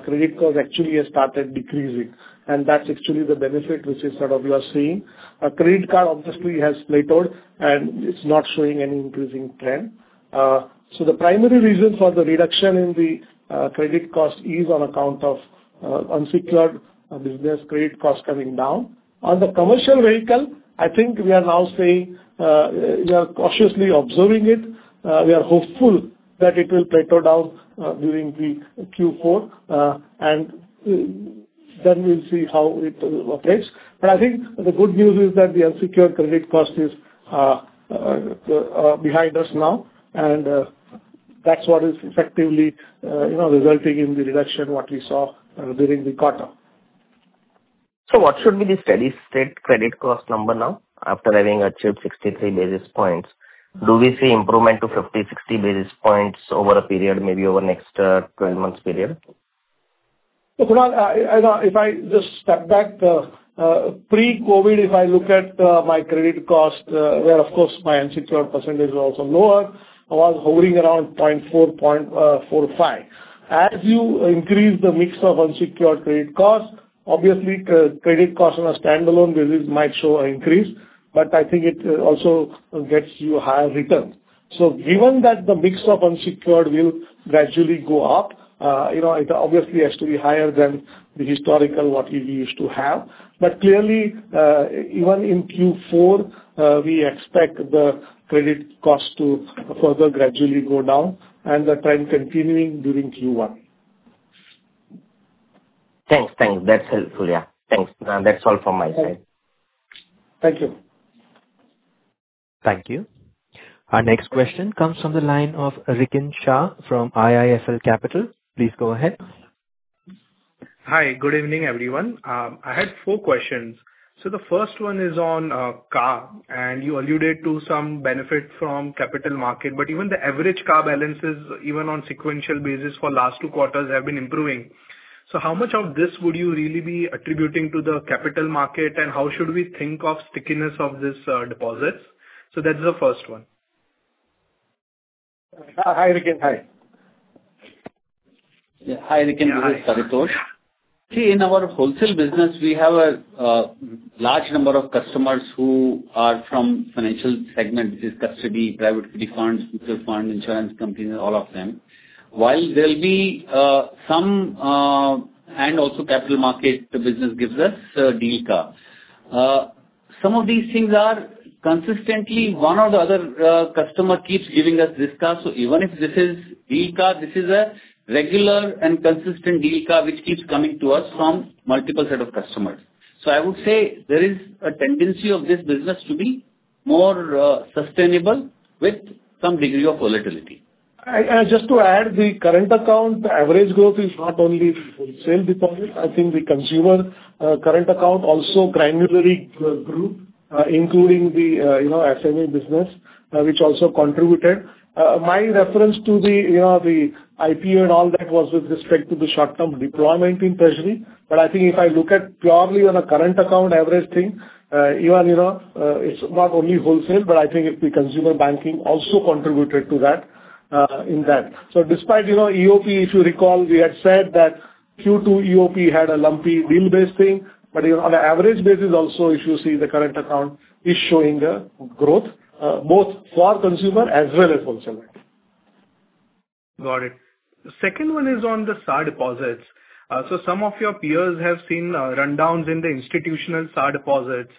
C: credit cost actually has started decreasing, and that's actually the benefit which is sort of you are seeing. A credit card obviously has plateaued, and it's not showing any increasing trend. So the primary reason for the reduction in the credit cost is on account of unsecured business credit cost coming down. On the commercial vehicle, I think we are now saying we are cautiously observing it. We are hopeful that it will plateau down during the Q4, and then we'll see how it operates. But I think the good news is that the unsecured credit cost is behind us now, and that's what is effectively, you know, resulting in the reduction, what we saw during the quarter.
I: What should be the steady state credit cost number now, after having achieved 63 basis points? Do we see improvement to 50, 60 basis points over a period, maybe over next, 12 months period?
C: So, if I just step back, pre-COVID, if I look at my credit cost, where of course my unsecured percentage is also lower, I was hovering around 0.4%-0.45%. As you increase the mix of unsecured credit cost, obviously, credit cost on a standalone basis might show an increase, but I think it also gets you higher returns. So given that the mix of unsecured will gradually go up, you know, it obviously has to be higher than the historical, what we used to have. But clearly, even in Q4, we expect the credit cost to further gradually go down and the trend continuing during Q1.
I: Thanks. That's helpful, yeah. Thanks. That's all from my side.
C: Thank you.
A: Thank you. Our next question comes from the line of Rikin Shah from IIFL Capital. Please go ahead.
J: Hi, good evening, everyone. I had four questions. So the first one is on CA, and you alluded to some benefit from capital market, but even the average CA balances, even on sequential basis for last two quarters, have been improving. So how much of this would you really be attributing to the capital market, and how should we think of stickiness of this deposits? So that is the first one.
C: Hi, Rikin. Hi.
G: Yeah, hi, Rikin, this is Paritosh. See, in our wholesale business, we have a large number of customers who are from financial segment, which is custody, private equity funds, mutual fund, insurance companies, all of them. While there'll be some--and also capital market, the business gives us deal CA. Some of these things are consistently one or the other. Customer keeps giving us this CA. So even if this is deal CA, this is a regular and consistent deal CA which keeps coming to us from multiple set of customers. So I would say there is a tendency of this business to be more sustainable with some degree of volatility.
C: I just to add, the current account average growth is not only wholesale deposit. I think the consumer current account also granularly grew, including the, you know, SME business, which also contributed. My reference to the, you know, the IPO and all that was with respect to the short-term deployment in treasury. But I think if I look at purely on a current account average thing, even, you know, it's not only wholesale, but I think the consumer banking also contributed to that, in that. So despite, you know, EOP, if you recall, we had said that Q2 EOP had a lumpy deal-based thing, but, you know, on an average basis also, if you see the current account is showing a growth, both for our consumer as well as wholesale.
J: Got it. The second one is on the SA deposits. So some of your peers have seen rundowns in the institutional SA deposits.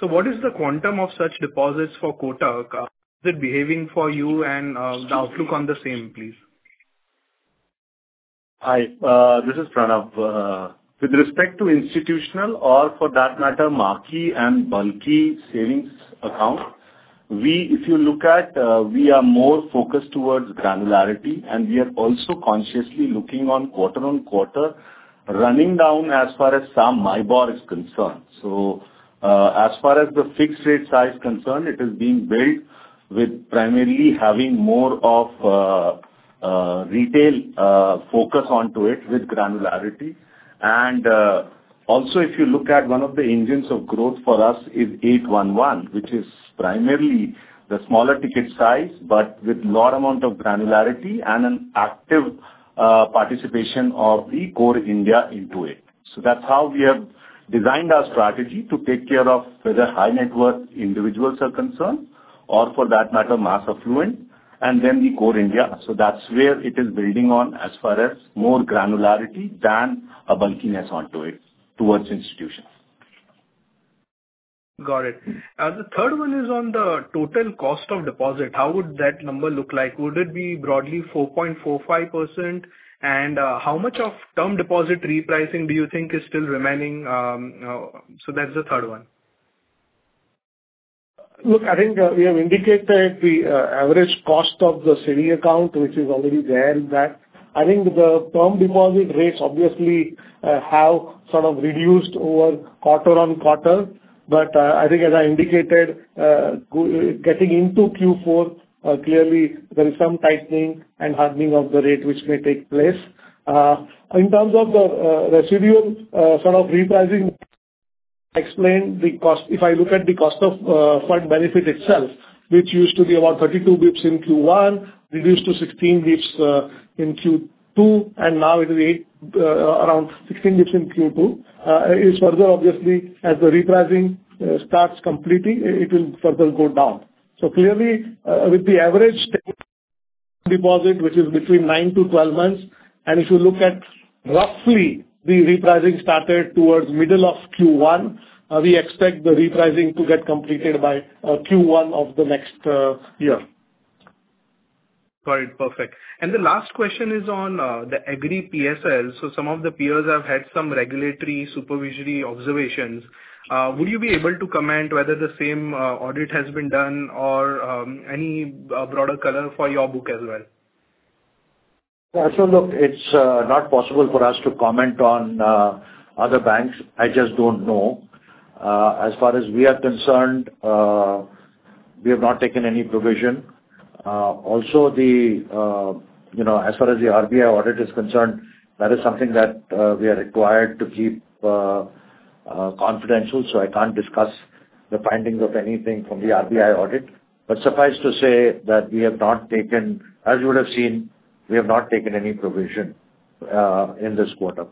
J: So what is the quantum of such deposits for Kotak? How is it behaving for you and the outlook on the same, please?
D: Hi, this is Pranav. With respect to institutional, or for that matter, marquee and bulky savings account, we, if you look at, we are more focused towards granularity, and we are also consciously looking on quarter-on-quarter, running down as far as some MIBOR is concerned. So, as far as the fixed rate side is concerned, it is being built with primarily having more of, retail, focus onto it with granularity. And, also, if you look at one of the engines of growth for us is 811, which is primarily the smaller ticket size, but with lot amount of granularity and an active, participation of the Core India into it. So that's how we have designed our strategy to take care of whether high-net-worth individuals are concerned or for that matter, mass affluent, and then the Core India. That's where it is building on as far as more granularity than a bulkiness onto it towards institutions.
J: Got it. The third one is on the total cost of deposit. How would that number look like? Would it be broadly 4.45%? And, how much of term deposit repricing do you think is still remaining? So that's the third one.
C: Look, I think, we have indicated the, average cost of the savings account, which is already there in that. I think the term deposit rates obviously, have sort of reduced over quarter-on-quarter. But, I think as I indicated, going into Q4, clearly there is some tightening and hardening of the rate, which may take place. In terms of the, residual, sort of repricing explaining the cost. If I look at the cost of, fund benefit itself, which used to be about 32 basis points in Q1, reduced to 16 basis points, in Q2, and now it is 8, around 16 basis points in Q2, is further, obviously, as the repricing, starts completing, it will further go down. Clearly, with the average deposit, which is between 9 to 12 months, and if you look at roughly, the repricing started towards middle of Q1, we expect the repricing to get completed by Q1 of the next year.
J: Got it. Perfect. The last question is on the agri PSL. Some of the peers have had some regulatory supervisory observations. Would you be able to comment whether the same audit has been done or any broader color for your book as well?
B: Yeah. So look, it's not possible for us to comment on other banks. I just don't know. As far as we are concerned, we have not taken any provision. Also, you know, as far as the RBI audit is concerned, that is something that we are required to keep confidential, so I can't discuss the findings of anything from the RBI audit. But suffice to say that we have not taken--as you would have seen, we have not taken any provision in this quarter.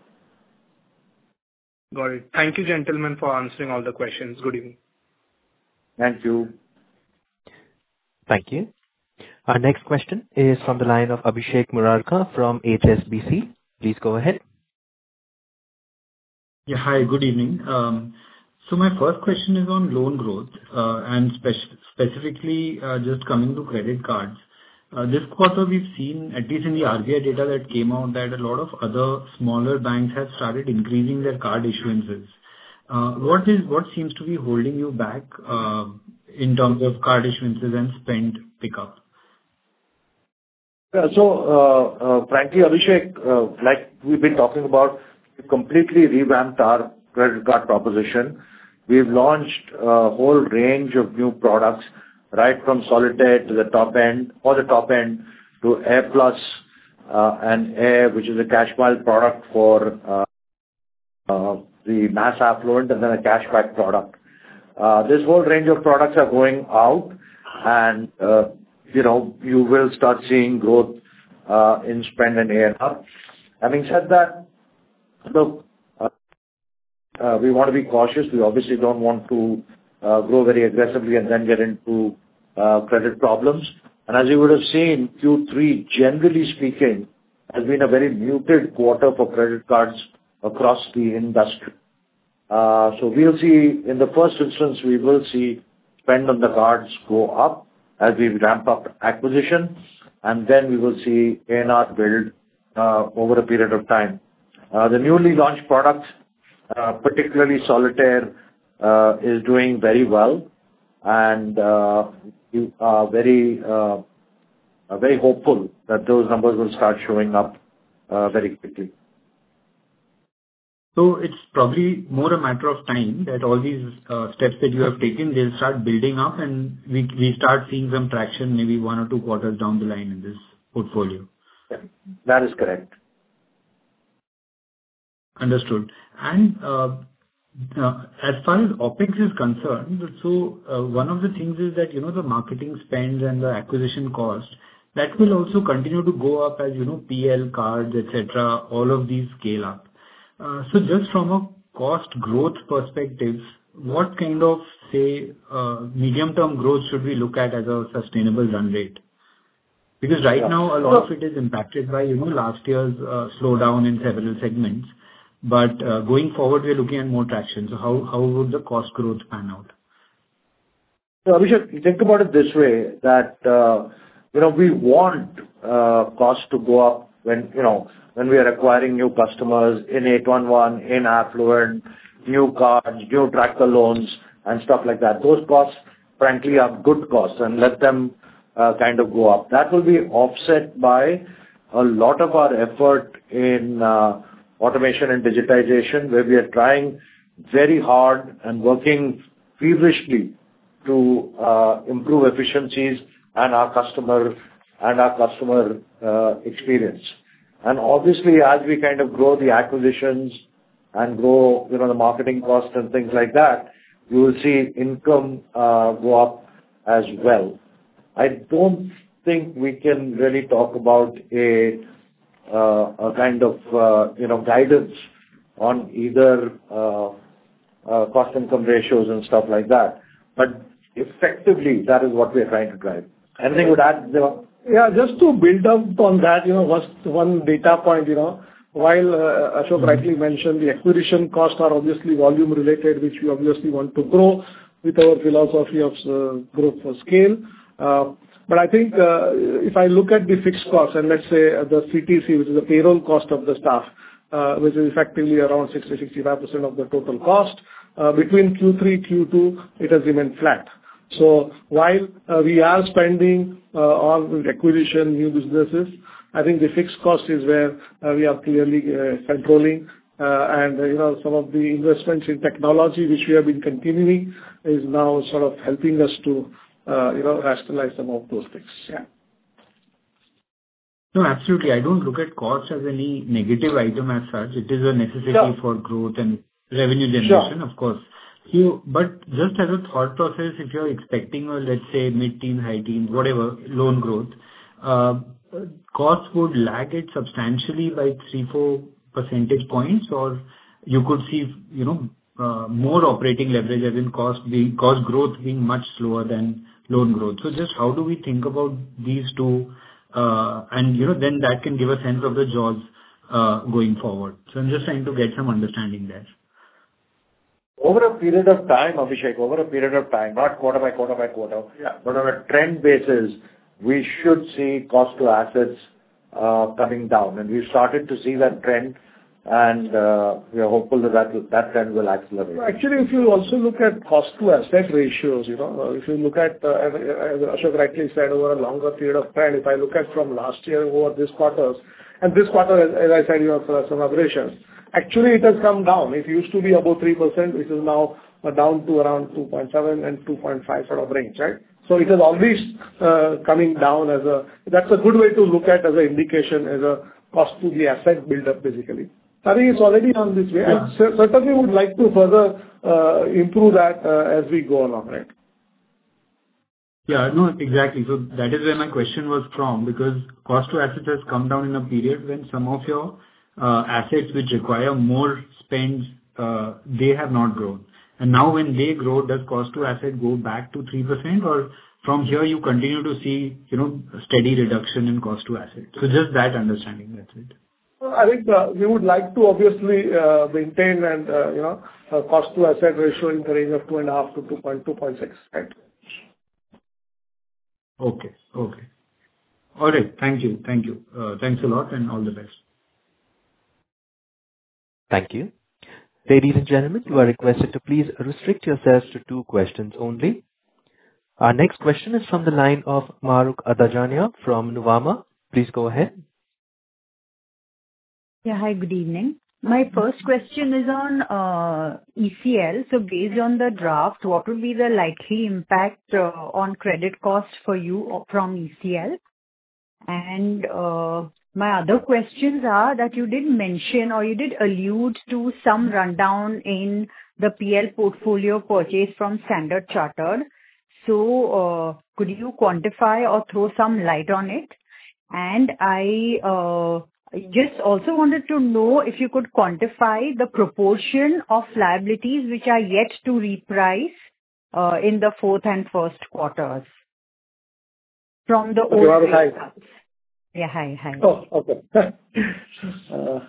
J: Got it. Thank you, gentlemen, for answering all the questions. Good evening.
C: Thank you.
A: Thank you. Our next question is from the line of Abhishek Murarka from HSBC. Please go ahead.
K: Yeah. Hi, good evening. So my first question is on loan growth, and specifically, just coming to credit cards. This quarter, we've seen, at least in the RBI data that came out, that a lot of other smaller banks have started increasing their card issuances. What seems to be holding you back, in terms of card issuances and spend pickup?
B: So, frankly, Abhishek, like we've been talking about, we've completely revamped our credit card proposition. We've launched a whole range of new products, right from Solitaire to the top end, or the top end, to Air+ and Air, which is a cash pile product for the mass affluent, and then a cashback product. This whole range of products are going out and, you know, you will start seeing growth in spend and Air. Having said that, look, we want to be cautious. We obviously don't want to grow very aggressively and then get into credit problems. And as you would have seen, Q3, generally speaking, has been a very muted quarter for credit cards across the industry. So we'll see, in the first instance, we will see spend on the cards go up as we ramp up acquisitions, and then we will see ANR build over a period of time. The newly launched products, particularly Solitaire, is doing very well, and we are very, very hopeful that those numbers will start showing up very quickly.
K: So it's probably more a matter of time that all these steps that you have taken, they'll start building up, and we, we start seeing some traction maybe one or two quarters down the line in this portfolio?
B: That is correct.
K: Understood. And, as far as OpEx is concerned, so, one of the things is that, you know, the marketing spend and the acquisition cost, that will also continue to go up, as, you know, PL, cards, et cetera, all of these scale up. So just from a cost growth perspective, what kind of, say, medium-term growth should we look at as a sustainable run rate? Because right now, a lot of it is impacted by, you know, last year's, slowdown in several segments. But, going forward, we are looking at more traction. So how, how would the cost growth pan out?
B: So Abhishek, think about it this way, that, you know, we want cost to go up when, you know, when we are acquiring new customers in 811, in Affluent, new cards, new tractor loans, and stuff like that. Those costs, frankly, are good costs, and let them, kind of go up. That will be offset by a lot of our effort in, automation and digitization, where we are trying very hard and working feverishly to, improve efficiencies and our customer experience. And obviously, as we kind of grow the acquisitions and grow, you know, the marketing costs and things like that, we will see income go up as well. I don't think we can really talk about a kind of, you know, guidance on either cost-income ratios and stuff like that, but effectively, that is what we are trying to drive. Anything you would add, Devang?
C: Yeah, just to build up on that, you know, just one data point, you know, while Ashok rightly mentioned, the acquisition costs are obviously volume related, which we obviously want to grow with our philosophy of growth for scale. But I think, if I look at the fixed costs and let's say the CTC, which is the payroll cost of the staff, which is effectively around 60%-65% of the total cost, between Q3, Q2, it has remained flat. So while we are spending on acquisition, new businesses, I think the fixed cost is where we are clearly controlling. And, you know, some of the investments in technology, which we have been continuing, is now sort of helping us to, you know, rationalize some of those things.
B: Yeah.
K: No, absolutely. I don't look at costs as any negative item as such. It is a necessity for growth and revenue generation
B: Sure.
K: Of course. So, but just as a thought process, if you're expecting a, let's say, mid-teen, high-teen, whatever, loan growth, costs would lag it substantially by 3, 4 percentage points, or you could see, you know, more operating leverage as in cost being, cost growth being much slower than loan growth. So just how do we think about these two, and, you know, then that can give a sense of the ROEs going forward. So I'm just trying to get some understanding there.
B: Over a period of time, Abhishek, over a period of time, not quarter by quarter by quarter. But on a trend basis, we should see cost to assets coming down, and we've started to see that trend, and we are hopeful that that trend will accelerate.
C: Actually, if you also look at cost to asset ratios, you know, if you look at, as Ashok rightly said, over a longer period of time, if I look at from last year over this quarters, and this quarter, as, as I said, you have some aberrations. Actually, it has come down. It used to be above 3%, which is now down to around 2.7% and 2.5% sort of range, right? So it is always, coming down as a--that's a good way to look at as a indication, as a cost to the asset build-up, basically. I think it's already gone this way. Certainly we would like to further improve that as we go along, right?
K: Yeah, no, exactly. So that is where my question was from, because cost to asset has come down in a period when some of your assets which require more spends, they have not grown. And now when they grow, does cost to asset go back to 3%, or from here you continue to see, you know, steady reduction in cost to asset? So just that understanding, that's it.
C: Well, I think, we would like to obviously, maintain and, you know, a cost to asset ratio in the range of 2.5%-2.6%, right?
K: Okay. All right. Thank you. Thanks a lot, and all the best.
A: Thank you. Ladies and gentlemen, you are requested to please restrict yourselves to two questions only. Our next question is from the line of Mahrukh Adajania from Nuvama. Please go ahead.
L: Yeah, hi, good evening. My first question is on ECL. So based on the draft, what will be the likely impact on credit costs for you from ECL? And my other questions are that you did mention, or you did allude to some rundown in the PL portfolio purchase from Standard Chartered. So could you quantify or throw some light on it? And I just also wanted to know if you could quantify the proportion of liabilities which are yet to reprice? In the fourth and first quarters from the--
C: Hi.
L: Yeah, hi. Hi.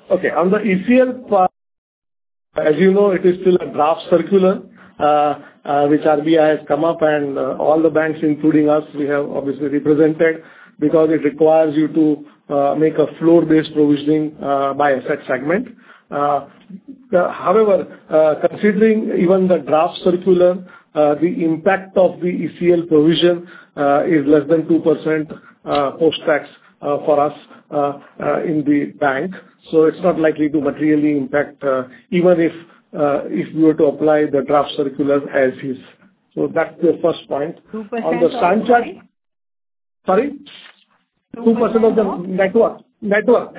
C: Okay, on the ECL part, as you know, it is still a draft circular, which RBI has come up, and all the banks, including us, we have obviously represented, because it requires you to make a floor-based provisioning by asset segment. However, considering even the draft circular, the impact of the ECL provision is less than 2%, post tax, for us in the bank, so it's not likely to materially impact, even if we were to apply the draft circular as is. So that's the first point.
L: 2% of what?
C: On the Standard Chartered--Sorry?
L: 2% of what?
C: 2% of the network. Network.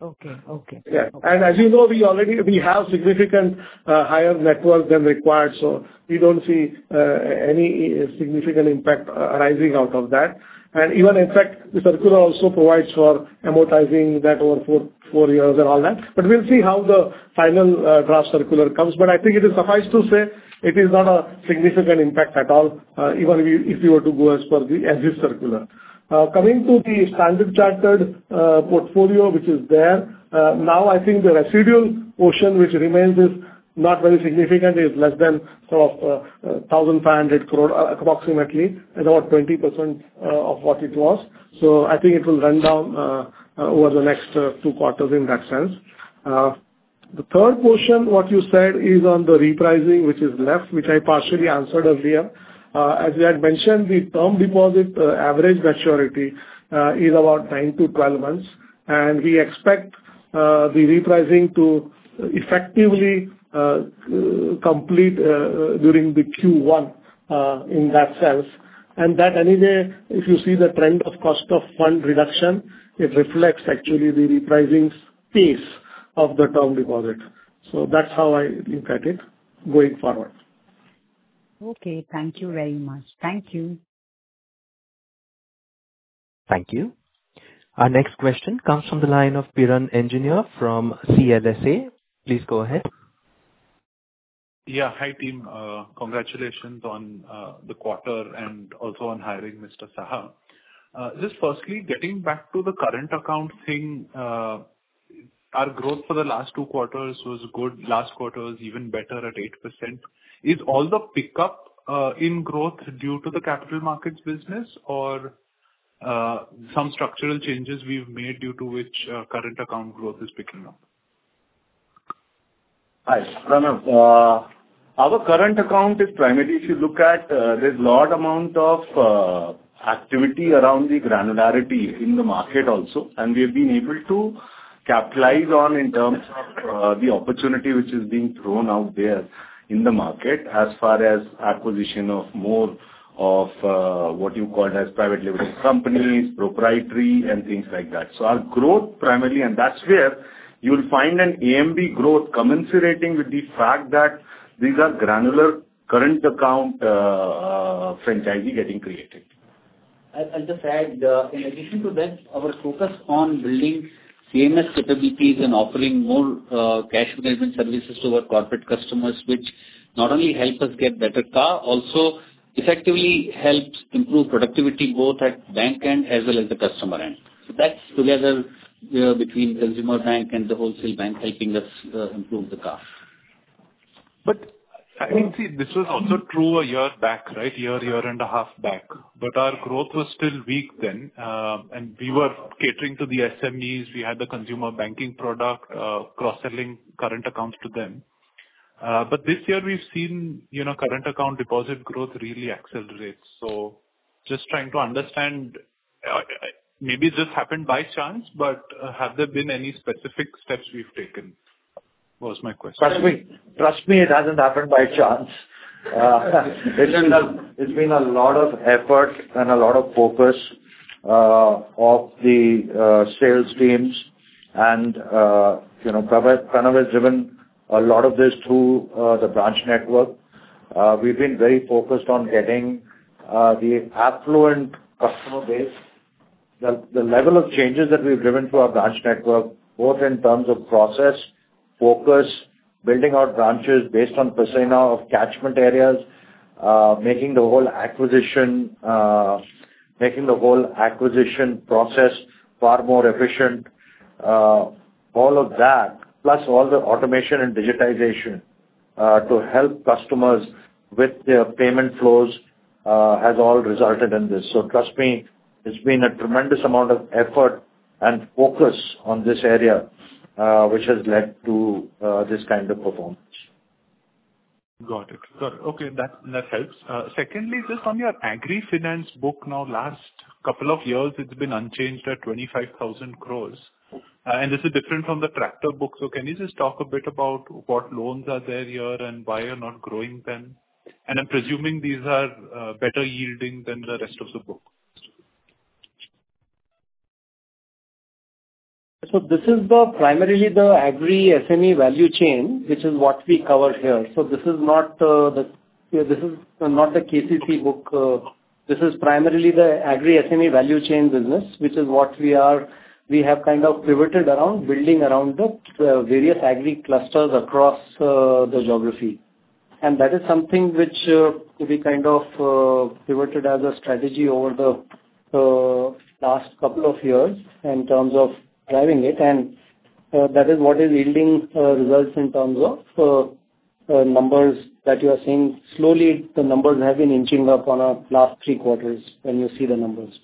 L: Okay.
C: Yeah. And as you know, we already, we have significantly higher net worth than required, so we don't see any significant impact arising out of that. And even in fact, the circular also provides for amortizing that over four years and all that. But we'll see how the final draft circular comes. But I think it is suffice to say, it is not a significant impact at all, even if you were to go as per the as is circular. Coming to the Standard Chartered portfolio, which is there now, I think the residual portion, which remains, is not very significant. It's less than sort of 1,500 crore, approximately, and about 20% of what it was. So I think it will run down over the next two quarters in that sense. The third portion, what you said, is on the repricing, which is left, which I partially answered earlier. As I had mentioned, the term deposit, average maturity, is about 9-12 months, and we expect, the repricing to effectively, complete, during the Q1, in that sense. And that anyway, if you see the trend of cost of fund reduction, it reflects actually the repricing's pace of the term deposit. So that's how I look at it going forward.
L: Okay, thank you very much. Thank you.
A: Thank you. Our next question comes from the line of Piran Engineer from CLSA. Please go ahead.
M: Yeah, hi, team. Congratulations on the quarter and also on hiring Mr. Saha. Just firstly, getting back to the current account thing, our growth for the last two quarters was good. Last quarter was even better at 8%. Is all the pickup in growth due to the capital markets business, or some structural changes we've made due to which current account growth is picking up?
C: Hi, Piran. Our current account is primarily, if you look at, there's large amount of activity around the granularity in the market also, and we've been able to capitalize on in terms of the opportunity which is being thrown out there in the market, as far as acquisition of more of what you called as private label companies, proprietary and things like that. So our growth primarily, and that's where you'll find an AMB growth commensurate with the fact that these are granular current account franchisee getting created.
G: I'll just add, in addition to that, our focus on building CMS capabilities and offering more, cash management services to our corporate customers, which not only help us get better CA, also effectively helps improve productivity both at bank and as well as the customer end. So that's together, between consumer bank and the Wholesale Bank, helping us improve the CA.
M: But I think, see, this was also true a year back, right? Year, year and a half back. But our growth was still weak then, and we were catering to the SMEs. We had the consumer banking product, cross-selling current accounts to them. But this year we've seen, you know, current account deposit growth really accelerate. So just trying to understand, maybe this happened by chance, but, have there been any specific steps we've taken, was my question.
B: Trust me, trust me, it hasn't happened by chance. It's been a lot of effort and a lot of focus of the sales teams. And you know, Pranav has driven a lot of this through the branch network. We've been very focused on getting the affluent customer base. The level of changes that we've driven through our branch network, both in terms of process, focus, building out branches based on persona of catchment areas, making the whole acquisition, making the whole acquisition process far more efficient, all of that, plus all the automation and digitization to help customers with their payment flows, has all resulted in this. So trust me, it's been a tremendous amount of effort and focus on this area, which has led to this kind of performance.
M: Got it. Okay, that, that helps. Secondly, just on your agri finance book, now, last couple of years, it's been unchanged at 25,000 crore, and this is different from the tractor book. So can you just talk a bit about what loans are there here and why you're not growing them? And I'm presuming these are, better yielding than the rest of the book.
F: So this is primarily the agri SME value chain, which is what we cover here. So this is not the KCC book. This is primarily the agri SME value chain business, which is what we are; we have kind of pivoted around, building around the various agri clusters across the geography. And that is something which we kind of pivoted as a strategy over the last couple of years in terms of driving it. And that is what is yielding results in terms of numbers that you are seeing. Slowly, the numbers have been inching up on our last three quarters, when you see the numbers.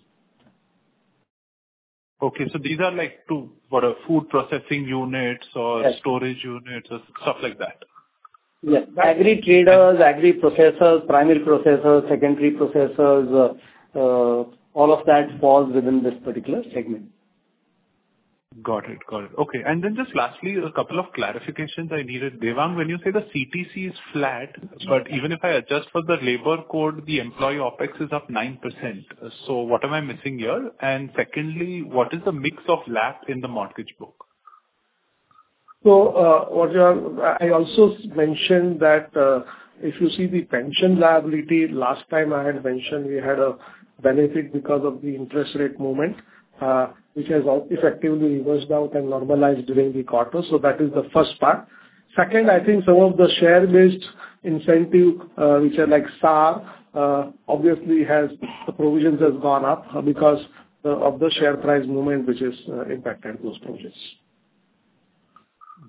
M: Okay, so these are like two, what, a food processing units or storage units or stuff like that?
F: Yes. Agri traders, agri processors, primary processors, secondary processors, all of that falls within this particular segment.
M: Got it. Okay, and then just lastly, a couple of clarifications I needed. Devang, when you say the CTC is flat, but even if I adjust for the Labour Code, the employee OpEx is up 9%. So what am I missing here? And secondly, what is the mix of LAP in the mortgage book?
C: So, I also mentioned that, if you see the pension liability, last time I had mentioned we had a benefit because of the interest rate movement, which has effectively reversed out and normalized during the quarter. So that is the first part. Second, I think some of the share-based incentive, which are like SAR, obviously has, the provisions has gone up, because of the share price movement, which has impacted those provisions.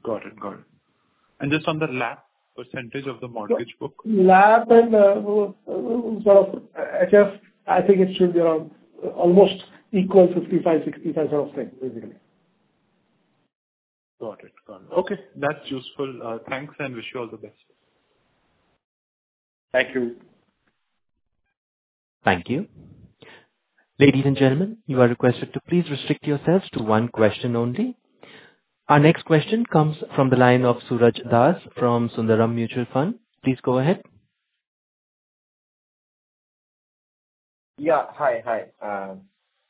M: Got it, got it. Just on the LAP percentage of the mortgage book?
C: LAP and, well, sort of, I guess, I think it should be around almost equal, 55%-65% sort of thing, basically.
M: Got it. Okay, that's useful. Thanks, and wish you all the best.
B: Thank you.
A: Thank you. Ladies and gentlemen, you are requested to please restrict yourselves to one question only. Our next question comes from the line of Suraj Das, from Sundaram Mutual Fund. Please go ahead.
N: Yeah. Hi.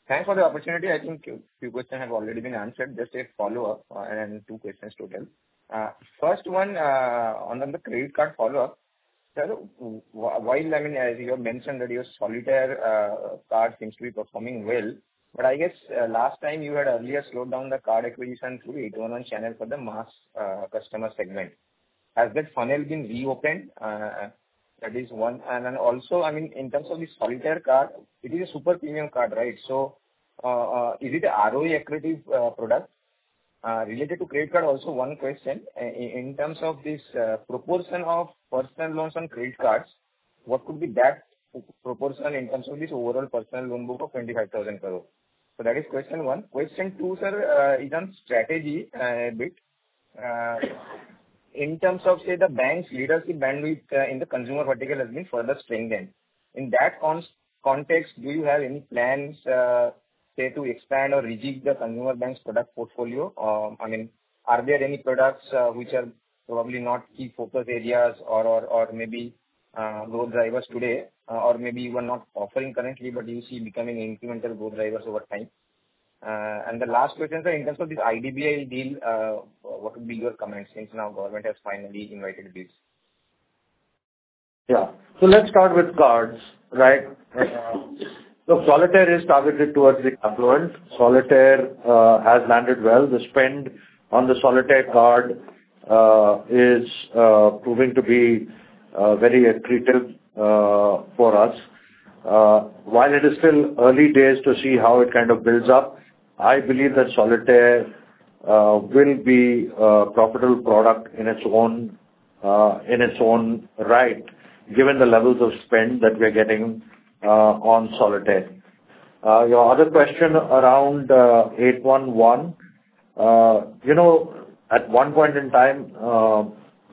N: Thanks for the opportunity. I think few question have already been answered. Just a follow-up, and two questions total. First one, on the credit card follow-up. Sir, while, I mean, as you have mentioned that your Solitaire card seems to be performing well, but I guess, last time you had earlier slowed down the card acquisition through 811 channel for the mass customer segment. Has that funnel been reopened? That is one. And then also, I mean, in terms of the Solitaire card, it is a super premium card, right? So, is it a ROE accretive product? Related to credit card, also one question. In terms of this proportion of personal loans and credit cards, what could be that proportion in terms of this overall personal loan book of INR 25,000 crore? So that is question one. Question two, sir, is on strategy, a bit. In terms of, say, the bank's leadership bandwidth in the consumer vertical has been further strengthened. In that context, do you have any plans, say, to expand or rejig the Consumer Bank's product portfolio? I mean, are there any products which are probably not key focus areas or maybe growth drivers today, or maybe you are not offering currently, but you see becoming incremental growth drivers over time? And the last question, sir, in terms of this IDBI deal, what could be your comments, since now government has finally invited bids?
B: Yeah. So let's start with cards, right? So Solitaire is targeted towards the affluent. Solitaire has landed well. The spend on the Solitaire card is proving to be very accretive for us. While it is still early days to see how it kind of builds up, I believe that Solitaire will be a profitable product in its own right, given the levels of spend that we're getting on Solitaire. Your other question around 811. You know, at one point in time,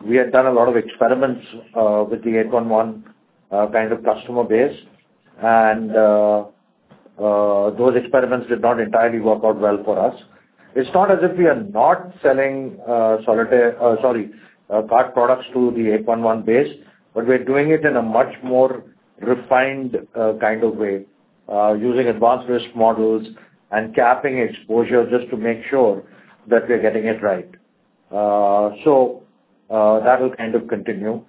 B: we had done a lot of experiments with the 811 kind of customer base, and those experiments did not entirely work out well for us. It's not as if we are not selling Solitaire. Card products to the 811 base, but we're doing it in a much more refined, kind of way, using advanced risk models and capping exposure just to make sure that we're getting it right. So, that will kind of continue.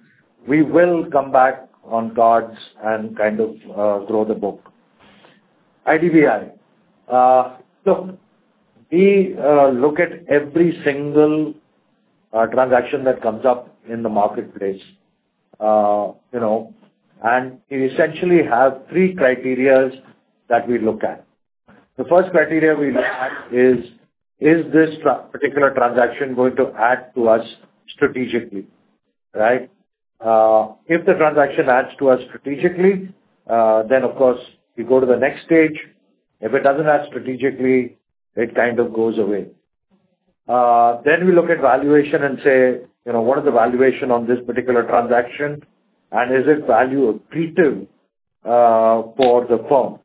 B: We will come back on cards and kind of grow the book. IDBI. Look, we look at every single transaction that comes up in the marketplace, you know, and we essentially have three criteria that we look at. The first criterion we look at is, is this particular transaction going to add to us strategically, right? If the transaction adds to us strategically, then of course, we go to the next stage. If it doesn't add strategically, it kind of goes away. Then we look at valuation and say, "You know, what is the valuation on this particular transaction, and is it value accretive, for the firm?"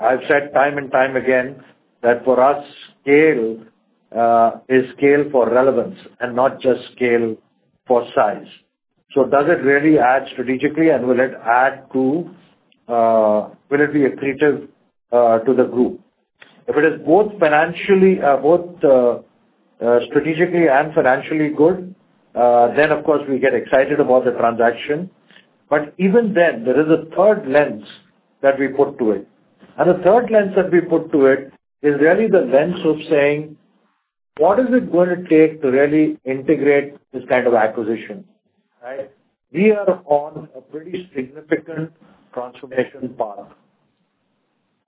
B: I've said time and time again, that for us, scale, is scale for relevance and not just scale for size. So does it really add strategically, and will it add to--will it be accretive, to the group? If it is both financially, both, strategically and financially good, then of course, we get excited about the transaction. But even then, there is a third lens that we put to it, and the third lens that we put to it is really the lens of saying: what is it going to take to really integrate this kind of acquisition, right? We are on a pretty significant transformation path.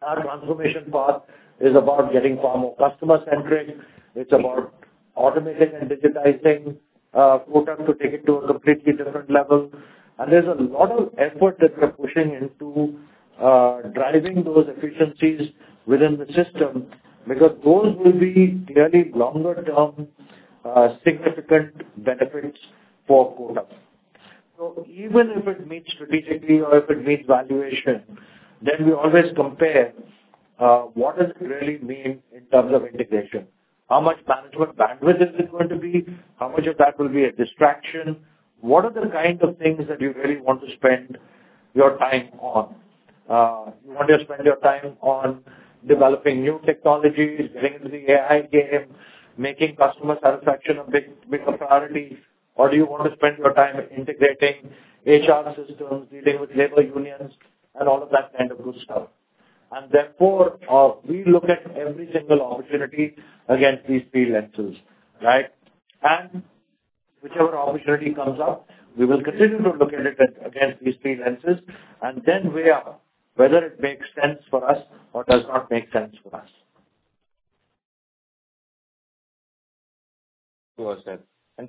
B: Our transformation path is about getting far more customer-centric. It's about automating and digitizing, Kotak, to take it to a completely different level. There's a lot of effort that we're pushing into, driving those efficiencies within the system, because those will be clearly longer-term, significant benefits for Kotak. Even if it meets strategically or if it meets valuation, then we always compare, what does it really mean in terms of integration? How much management bandwidth is it going to be? How much of that will be a distraction? What are the kinds of things that you really want to spend your time on? You want to spend your time on developing new technologies, getting into the AI game, making customer satisfaction a big, big priority, or do you want to spend your time integrating HR systems, dealing with labor unions, and all of that kind of good stuff? Therefore, we look at every single opportunity against these three lenses, right? Whichever opportunity comes up, we will continue to look at it against these three lenses, and then weigh up whether it makes sense for us or does not make sense for us.
N: Sure,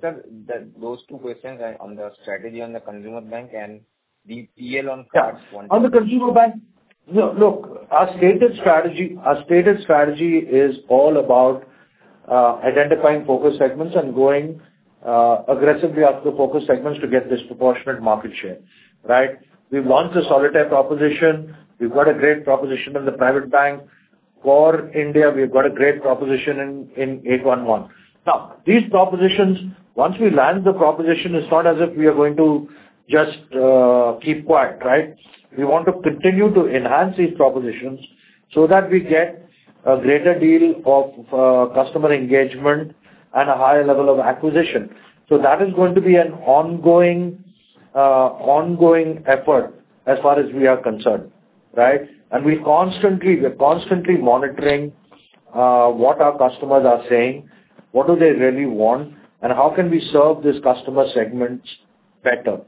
N: sir. Sir, that, those two questions are on the strategy on the Consumer Bank and the PL on cards.
B: Yeah. On the Consumer Bank, no, look, our stated strategy, our stated strategy is all about identifying focus segments and going aggressively after focus segments to get disproportionate market share, right? We've launched a solitaire proposition. We've got a great proposition in the Private Bank. For India, we've got a great proposition in 811. Now, these propositions, once we land the proposition, it's not as if we are going to just keep quiet, right? We want to continue to enhance these propositions so that we get a greater deal of customer engagement and a higher level of acquisition. So that is going to be an ongoing ongoing effort as far as we are concerned, right? And we constantly, we are constantly monitoring what our customers are saying, what do they really want, and how can we serve these customer segments better.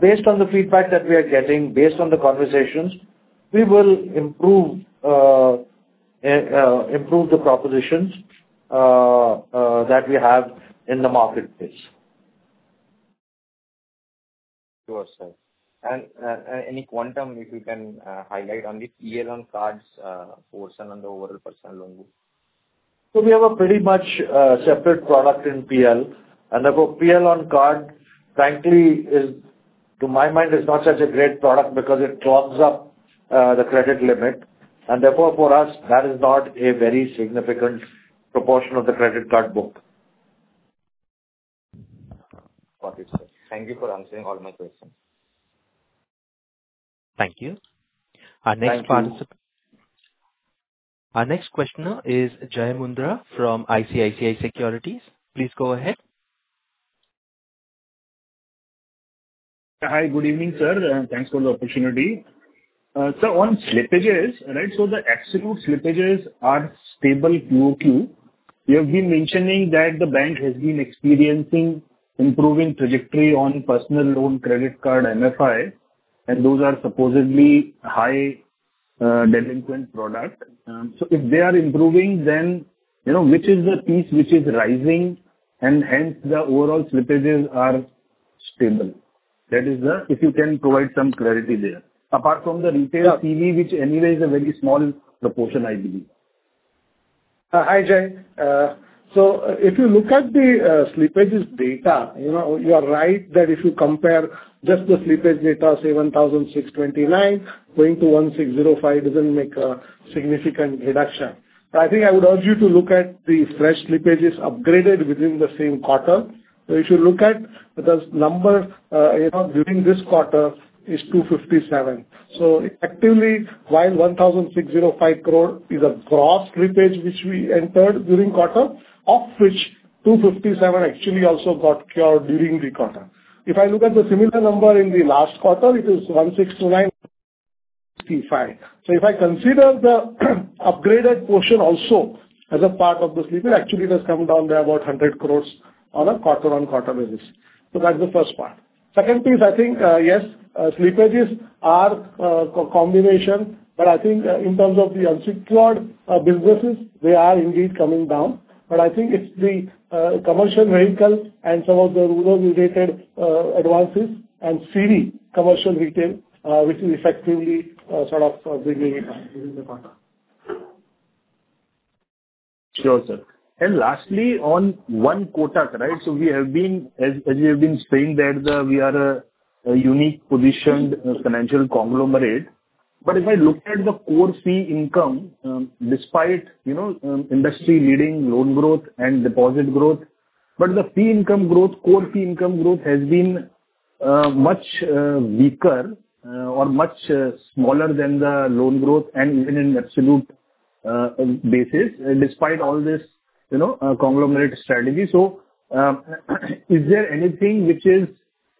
B: Based on the feedback that we are getting, based on the conversations, we will improve the propositions that we have in the marketplace.
N: Sure, sir. And any quantum, if you can, highlight on the PL on cards portion and the overall personal loan?
B: So we have a pretty much separate product in PL, and therefore, PL on card, frankly, is, to my mind, is not such a great product because it clogs up the credit limit, and therefore, for us, that is not a very significant proportion of the credit card book.
N: Got it, sir. Thank you for answering all my questions.
A: Thank you. Our next participant--our next questioner is Jai Mundhra from ICICI Securities. Please go ahead.
O: Hi. Good evening, sir, thanks for the opportunity. So on slippages, right? So the absolute slippages are stable Q-o-Q. You have been mentioning that the bank has been experiencing improving trajectory on personal loan, credit card, MFI, and those are supposedly high delinquent product. So if they are improving, then, you know, which is the piece which is rising and hence the overall slippages are stable? That is the--If you can provide some clarity there. Apart from the retail CV, which anyway is a very small proportion, I believe.
C: Hi, Jai. So if you look at the slippages data, you know, you are right that if you compare just the slippage data, say, 1,629 crore going to 1,605 crore, doesn't make a significant reduction. But I think I would urge you to look at the fresh slippages upgraded within the same quarter. So if you look at, because number, you know, during this quarter is 257 crore. So effectively, while 1,605 crore is a gross slippage which we entered during quarter, of which 257 crore actually also got cured during the quarter. If I look at the similar number in the last quarter, it is 1,695 crore. So if I consider the upgraded portion also as a part of the slippage, actually it has come down by about 100 crore on a quarter-on-quarter basis. So that's the first part. Second piece, I think, yes, slippages are combination, but I think, in terms of the unsecured businesses, they are indeed coming down. But I think it's the commercial vehicle and some of the rural related advances and CV, commercial retail, which is effectively sort of bringing it down within the quarter.
O: Sure, sir. Lastly, on One Kotak, right? We have been, as you have been saying that we are a uniquely positioned financial conglomerate. But if I look at the core fee income, despite, you know, industry-leading loan growth and deposit growth, the fee income growth, core fee income growth has been much weaker, or much smaller than the loan growth and even in absolute basis, despite all this, you know, conglomerate strategy. Is there anything which is.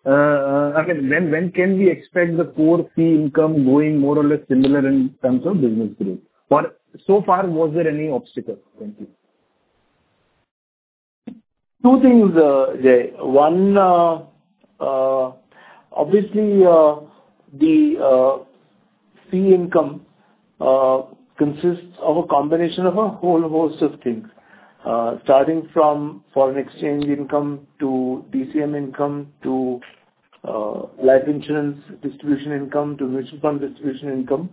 O: I mean, when can we expect the core fee income going more or less similar in terms of business growth? Or so far, was there any obstacle? Thank you.
C: Two things, Jay. One, obviously, the fee income consists of a combination of a whole host of things, starting from foreign exchange income to DCM income, to life insurance distribution income, to mutual fund distribution income,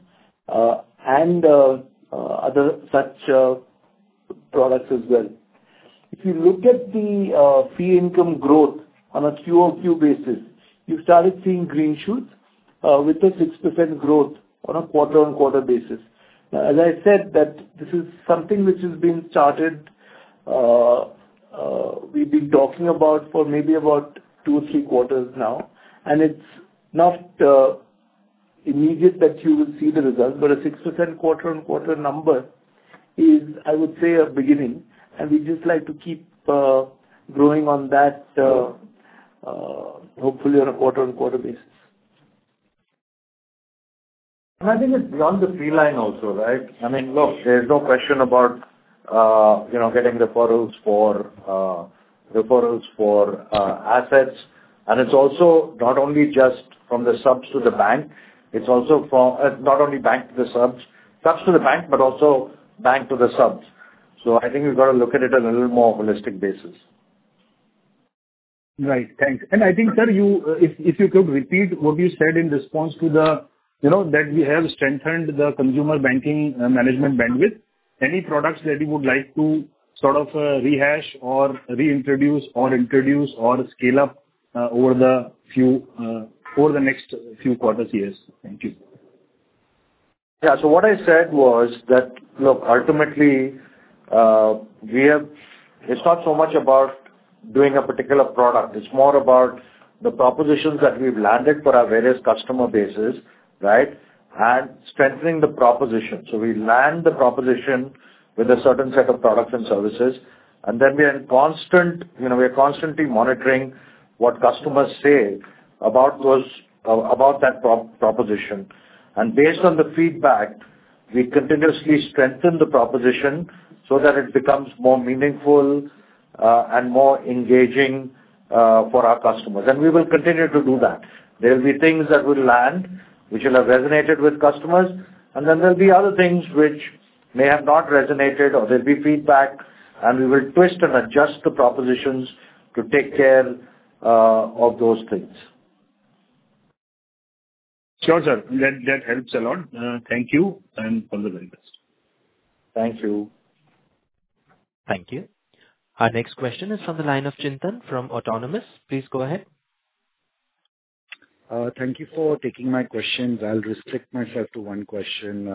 C: and other such products as well. If you look at the fee income growth on a Q-o-Q basis, you've started seeing green shoots with a 6% growth on a quarter-over-quarter basis. Now, as I said, that this is something which has been charted, we've been talking about for maybe about two or three quarters now, and it's not immediate that you will see the results, but a 6% quarter-over-quarter number is, I would say, a beginning, and we'd just like to keep growing on that, hopefully on a quarter-over-quarter basis.
B: I think it's beyond the fee line also, right? I mean, look, there's no question about, you know, getting referrals for, referrals for, assets. And it's also not only just from the subs to the bank, it's also for, not only bank to the subs, subs to the bank, but also bank to the subs. So I think we've got to look at it on a little more holistic basis.
O: Right. Thanks. And I think, sir, you, if you could repeat what you said in response to the, you know, that we have strengthened the consumer banking, management bandwidth. Any products that you would like to sort of, rehash or reintroduce or introduce or scale up, over the few, over the next few quarters years? Thank you.
B: Yeah. So what I said was that, look, ultimately, we have--It's not so much about doing a particular product, it's more about the propositions that we've landed for our various customer bases, right? And strengthening the proposition. So we land the proposition with a certain set of products and services, and then we are in constant, you know, we are constantly monitoring what customers say about those, about that proposition. And based on the feedback, we continuously strengthen the proposition so that it becomes more meaningful, and more engaging, for our customers, and we will continue to do that. There will be things that will land, which will have resonated with customers, and then there'll be other things which may have not resonated, or there'll be feedback, and we will twist and adjust the propositions to take care of those things.
O: Sure, sir. That helps a lot. Thank you, and all the very best.
B: Thank you.
A: Thank you. Our next question is from the line of Chintan from Autonomous. Please go ahead.
P: Thank you for taking my questions. I'll restrict myself to one question.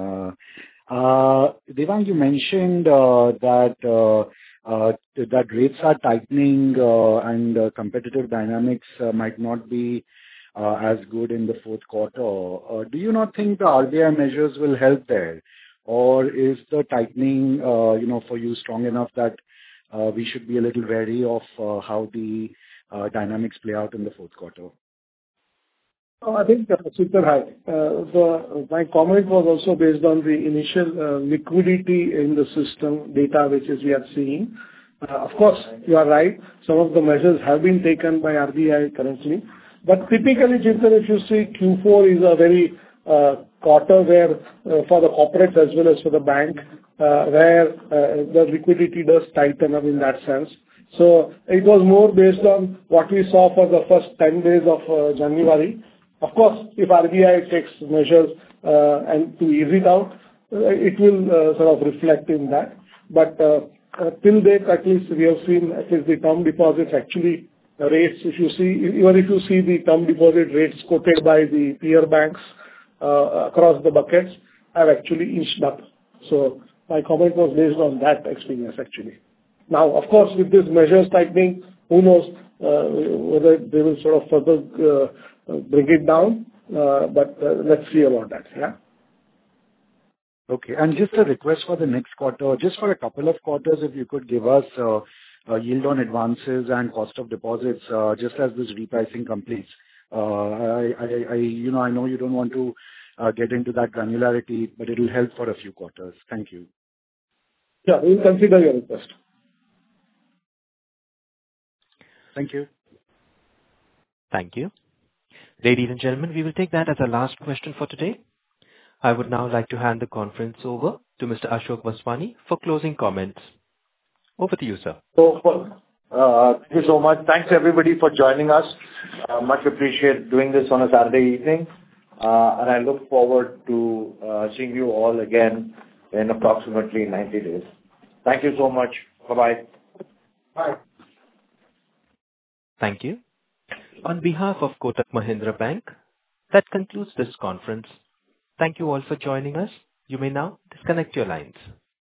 P: Devang, you mentioned that rates are tightening and competitive dynamics might not be as good in the fourth quarter. Do you not think the RBI measures will help there? Or is the tightening, you know, for you strong enough that we should be a little wary of how the dynamics play out in the fourth quarter?
C: I think, Chintan, hi. My comment was also based on the initial liquidity in the system data, which is, we are seeing. Of course, you are right, some of the measures have been taken by RBI currently. But typically, Chintan, if you see, Q4 is a very quarter where, for the corporates as well as for the bank, where, the liquidity does tighten up in that sense. So it was more based on what we saw for the first 10 days of January. Of course, if RBI takes measures, and to ease it out, it will, sort of reflect in that. But, till date, at least we have seen, since the term deposits, actually the rates, if you see, even if you see the term deposit rates quoted by the peer banks, across the buckets, have actually inched up. So my comment was based on that experience, actually. Now, of course, with these measures tightening, who knows, whether they will sort of further, bring it down? But, let's see about that, yeah.
P: Okay. And just a request for the next quarter, just for a couple of quarters, if you could give us yield on advances and cost of deposits, just as this repricing completes. You know, I know you don't want to get into that granularity, but it'll help for a few quarters. Thank you.
C: Yeah, we'll consider your request.
P: Thank you.
A: Thank you. Ladies and gentlemen, we will take that as our last question for today. I would now like to hand the conference over to Mr. Ashok Vaswani for closing comments. Over to you, sir.
B: So, thank you so much. Thanks, everybody, for joining us. Much appreciate doing this on a Saturday evening, and I look forward to seeing you all again in approximately 90 days. Thank you so much. Bye-bye.
C: Bye.
A: Thank you. On behalf of Kotak Mahindra Bank, that concludes this conference. Thank you all for joining us. You may now disconnect your lines.